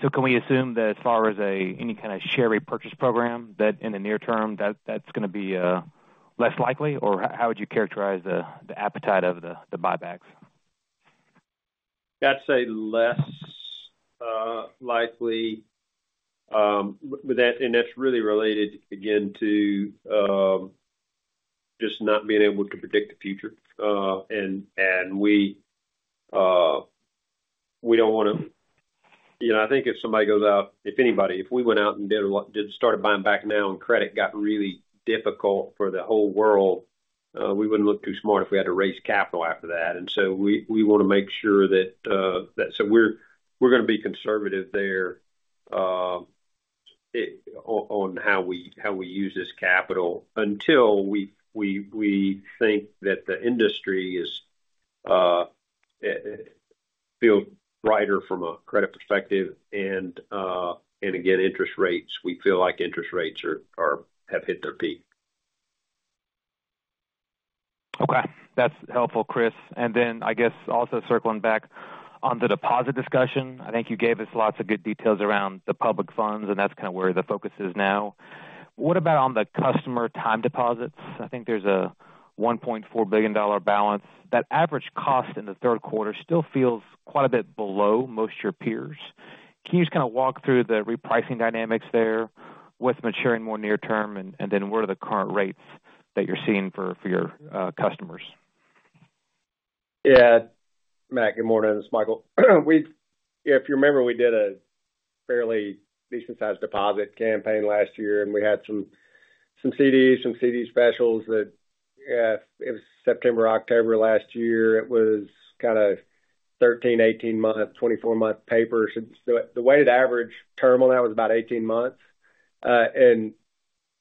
So can we assume that as far as any kind of share repurchase program, that in the near term, that's going to be less likely? Or how would you characterize the appetite of the buybacks? I'd say less likely. But that-- and that's really related, again, to just not being able to predict the future. And we don't want to... You know, I think if somebody goes out, if anybody-- if we went out and did a lot-- did start buying back now and credit got really difficult for the whole world, we wouldn't look too smart if we had to raise capital after that. And so we want to make sure that-- so we're going to be conservative there, on how we use this capital until we think that the industry is feel brighter from a credit perspective. And again, interest rates, we feel like interest rates are have hit their peak. Okay, that's helpful, Chris. And then, I guess, also circling back on the deposit discussion, I think you gave us lots of good details around the public funds, and that's kind of where the focus is now. What about on the customer time deposits? I think there's a $1.4 billion balance. That average cost in the third quarter still feels quite a bit below most of your peers. Can you just kind of walk through the repricing dynamics there? What's maturing more near term, and, and then what are the current rates that you're seeing for, for your customers? Yeah. Matt, good morning, this is Michael. We—if you remember, we did a fairly decent-sized deposit campaign last year, and we had some CDs, some CD specials that it was September, October last year. It was kind of 13, 18-month, 24-month papers. So the weighted average term on that was about 18 months. And,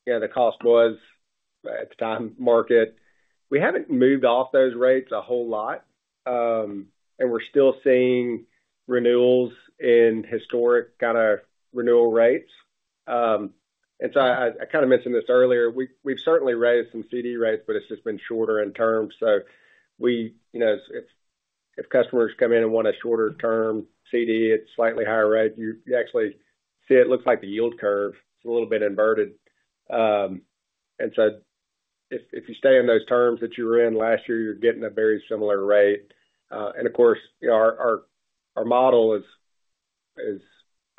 yeah, the cost was, at the time, market. We haven't moved off those rates a whole lot, and we're still seeing renewals in historic kind of renewal rates. And so I kind of mentioned this earlier, we've certainly raised some CD rates, but it's just been shorter in terms. So we, you know, if customers come in and want a shorter-term CD at slightly higher rate, you actually see it looks like the yield curve. It's a little bit inverted. And so if you stay in those terms that you were in last year, you're getting a very similar rate. And of course, our model is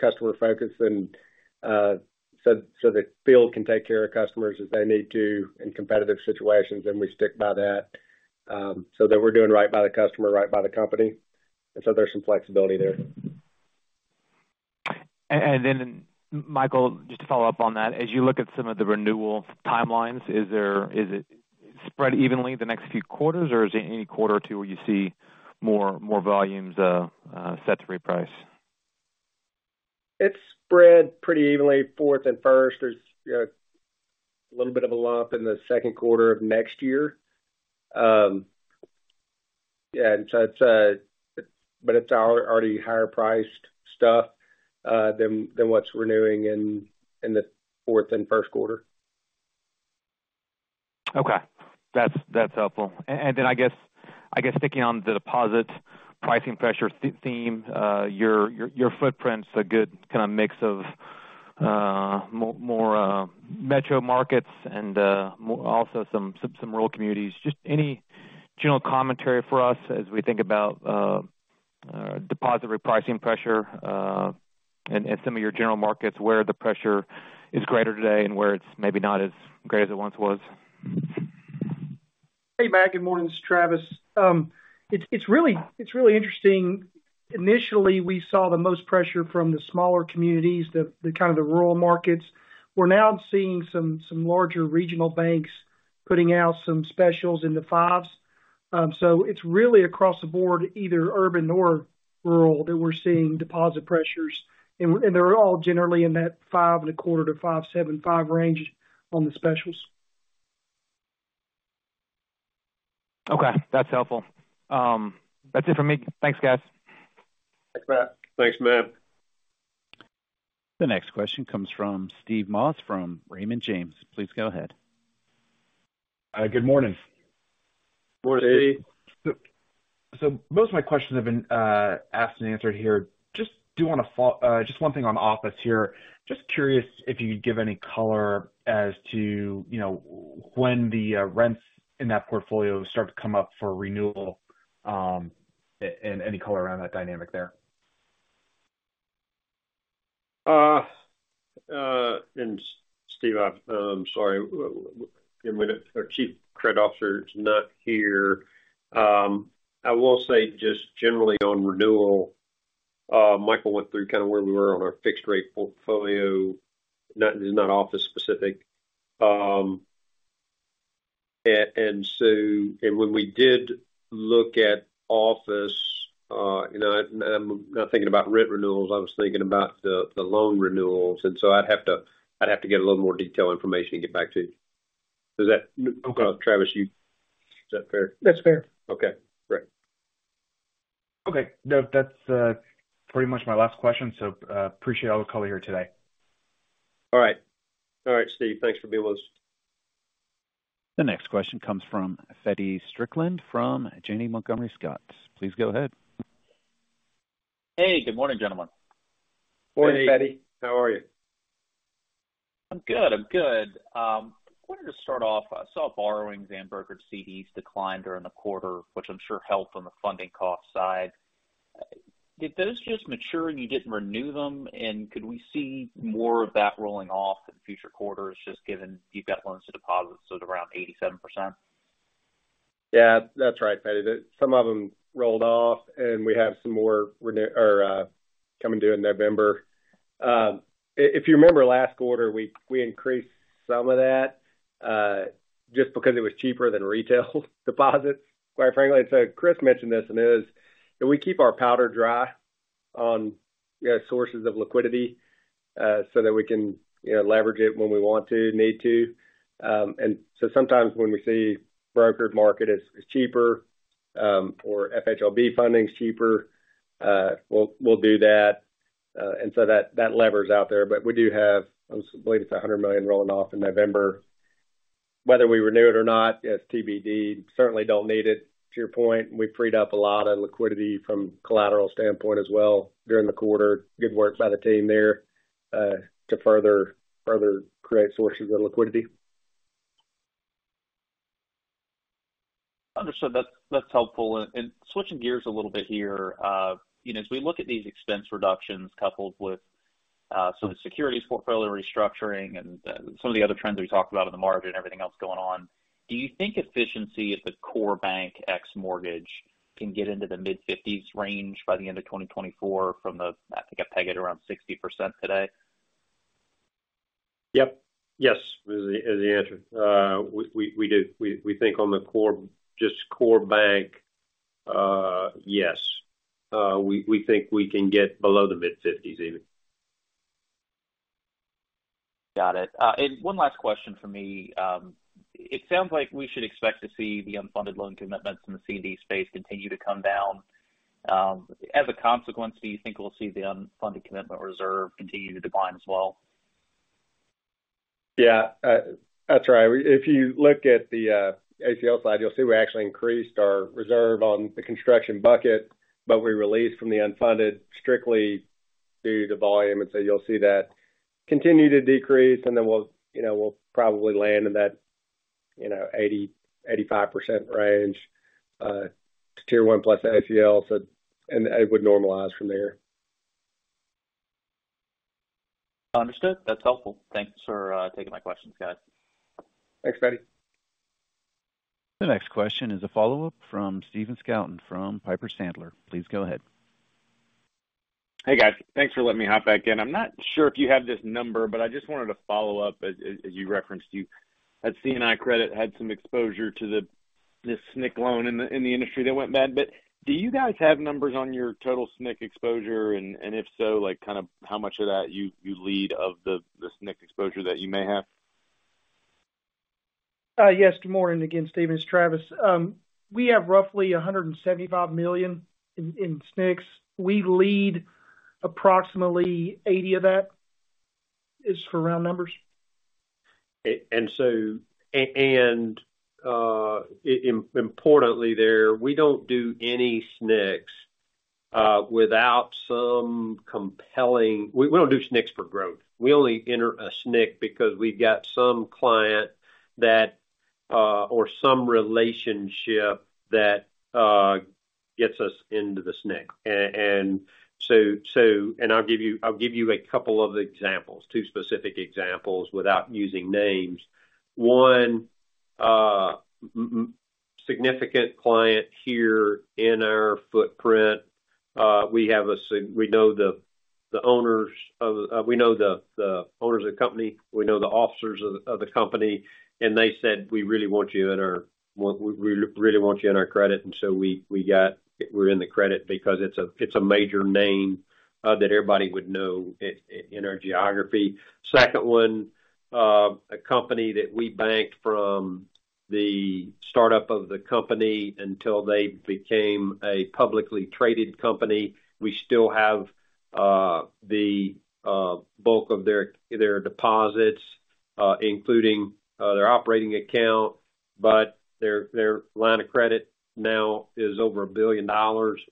customer-focused and so the field can take care of customers as they need to in competitive situations, and we stick by that, so that we're doing right by the customer, right by the company, and so there's some flexibility there. And then, Michael, just to follow up on that, as you look at some of the renewal timelines, is it spread evenly the next few quarters, or is there any quarter or two where you see more volumes set to reprice? It's spread pretty evenly, fourth and first. There's, you know, a little bit of a lump in the second quarter of next year. Yeah, and so it's, but it's already higher priced stuff than what's renewing in the fourth and first quarter. Okay. That's helpful. And then I guess sticking on the deposit pricing pressure theme, your footprint's a good kind of mix of more metro markets and also some rural communities. Just any general commentary for us as we think about deposit repricing pressure and some of your general markets, where the pressure is greater today and where it's maybe not as great as it once was? Hey, Matt, good morning. This is Travis. It's really interesting. Initially, we saw the most pressure from the smaller communities, the kind of rural markets. We're now seeing some larger regional banks putting out some specials in the 5s, so it's really across the board, either urban or rural, that we're seeing deposit pressures. And they're all generally in that 5.25%-5.75% range on the specials. Okay, that's helpful. That's it for me. Thanks, guys. Thanks, Matt. Thanks, Matt. The next question comes from Steve Moss from Raymond James. Please go ahead. Good morning. Morning. Hey. So, most of my questions have been asked and answered here. Just do want to just one thing on office here. Just curious if you could give any color as to, you know, when the rents in that portfolio start to come up for renewal, and any color around that dynamic there? and Steve, I'm sorry, our Chief Credit Officer is not here. I will say just generally on renewal, Michael went through kind of where we were on our fixed rate portfolio. Not, it's not office specific. and so—and when we did look at office, you know, I'm not thinking about rent renewals, I was thinking about the loan renewals, and so I'd have to get a little more detailed information and get back to you. Does that... Travis, is that fair? That's fair. Okay, great. Okay. No, that's pretty much my last question, so appreciate all the color here today. All right. All right, Steve, thanks for being with us. The next question comes from Feddie Strickland from Janney Montgomery Scott. Please go ahead. Hey, good morning, gentlemen. Morning, Feddie. How are you? I'm good, I'm good. Wanted to start off, I saw borrowings and brokered CDs declined during the quarter, which I'm sure helped on the funding cost side. Did those just mature and you didn't renew them, and could we see more of that rolling off in future quarters, just given you've got loans to deposits at around 87%? Yeah, that's right, Feddie. Some of them rolled off, and we have some more or coming due in November. If you remember last quarter, we increased some of that just because it was cheaper than retail deposits, quite frankly. So Chris mentioned this, and it is that we keep our powder dry on, you know, sources of liquidity, so that we can, you know, leverage it when we want to, need to. And so sometimes when we see brokered market is cheaper or FHLB funding is cheaper, we'll do that. And so that lever's out there. But we do have, I believe, it's $100 million rolling off in November. Whether we renew it or not, it's TBD. Certainly don't need it. To your point, we've freed up a lot of liquidity from a collateral standpoint as well during the quarter. Good work by the team there, to further create sources of liquidity. Understood. That's helpful. And switching gears a little bit here, you know, as we look at these expense reductions coupled with some of the securities portfolio restructuring and some of the other trends we talked about on the margin, everything else going on, do you think efficiency at the core bank X mortgage can get into the mid-fifties range by the end of 2024 from the, I think, I peg it around 60% today? Yep. Yes is the answer. We do. We think on the core, just core bank, yes, we think we can get below the mid-fifties even. Got it. And one last question for me. It sounds like we should expect to see the unfunded loan commitments in the CD space continue to come down. As a consequence, do you think we'll see the unfunded commitment reserve continue to decline as well? Yeah, that's right. If you look at the ACL side, you'll see we actually increased our reserve on the construction bucket, but we released from the unfunded strictly due to volume. And so you'll see that continue to decrease, and then we'll, you know, we'll probably land in that, you know, 80-85% range, Tier 1 + ACL, so... And it would normalize from there. Understood. That's helpful. Thanks for taking my questions, guys. Thanks, Fetty. The next question is a follow-up from Stephen Scouten from Piper Sandler. Please go ahead. Hey, guys. Thanks for letting me hop back in. I'm not sure if you have this number, but I just wanted to follow up. As you referenced, that C&I credit had some exposure to the SNC loan in the industry that went bad. But do you guys have numbers on your total SNC exposure? And if so, like, kind of how much of that you lead of the SNC exposure that you may have? Yes, good morning again, Steven. It's Travis. We have roughly $175 million in SNCs. We lead approximately $80 million of that, is for round numbers. And so, importantly there, we don't do any SNCs without some compelling... We don't do SNCs for growth. We only enter a SNC because we've got some client that or some relationship that gets us into the SNC. And so, I'll give you, I'll give you a couple of examples, two specific examples without using names. One, significant client here in our footprint, we know the owners of the company, we know the officers of the company, and they said, "We really want you in our credit." And so we're in the credit because it's a major name that everybody would know in our geography. Second one, a company that we banked from the startup of the company until they became a publicly traded company. We still have the bulk of their deposits, including their operating account, but their line of credit now is over $1 billion.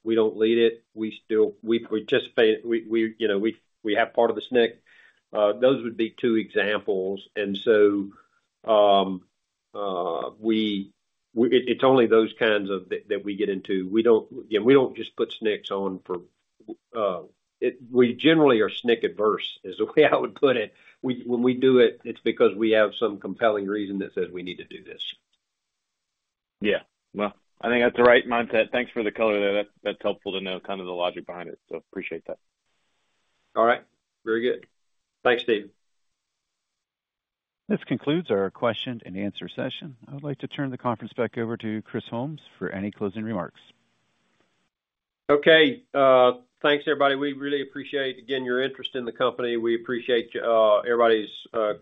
We don't lead it, we still participate, you know, we have part of the SNC. Those would be two examples. And so, it's only those kinds of that we get into. We don't, again, we don't just put SNCs on for... We generally are SNC adverse, is the way I would put it. When we do it, it's because we have some compelling reason that says we need to do this. Yeah. Well, I think that's the right mindset. Thanks for the color there. That's, that's helpful to know kind of the logic behind it, so appreciate that. All right. Very good. Thanks, Stephen. This concludes our question and answer session. I would like to turn the conference back over to Chris Holmes for any closing remarks. Okay. Thanks, everybody. We really appreciate, again, your interest in the company. We appreciate everybody's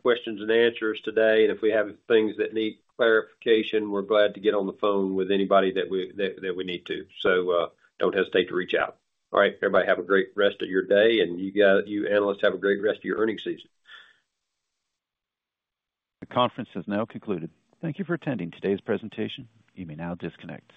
questions and answers today. And if we have things that need clarification, we're glad to get on the phone with anybody that we need to. So, don't hesitate to reach out. All right, everybody, have a great rest of your day, and you analysts have a great rest of your earnings season. The conference has now concluded. Thank you for attending today's presentation. You may now disconnect.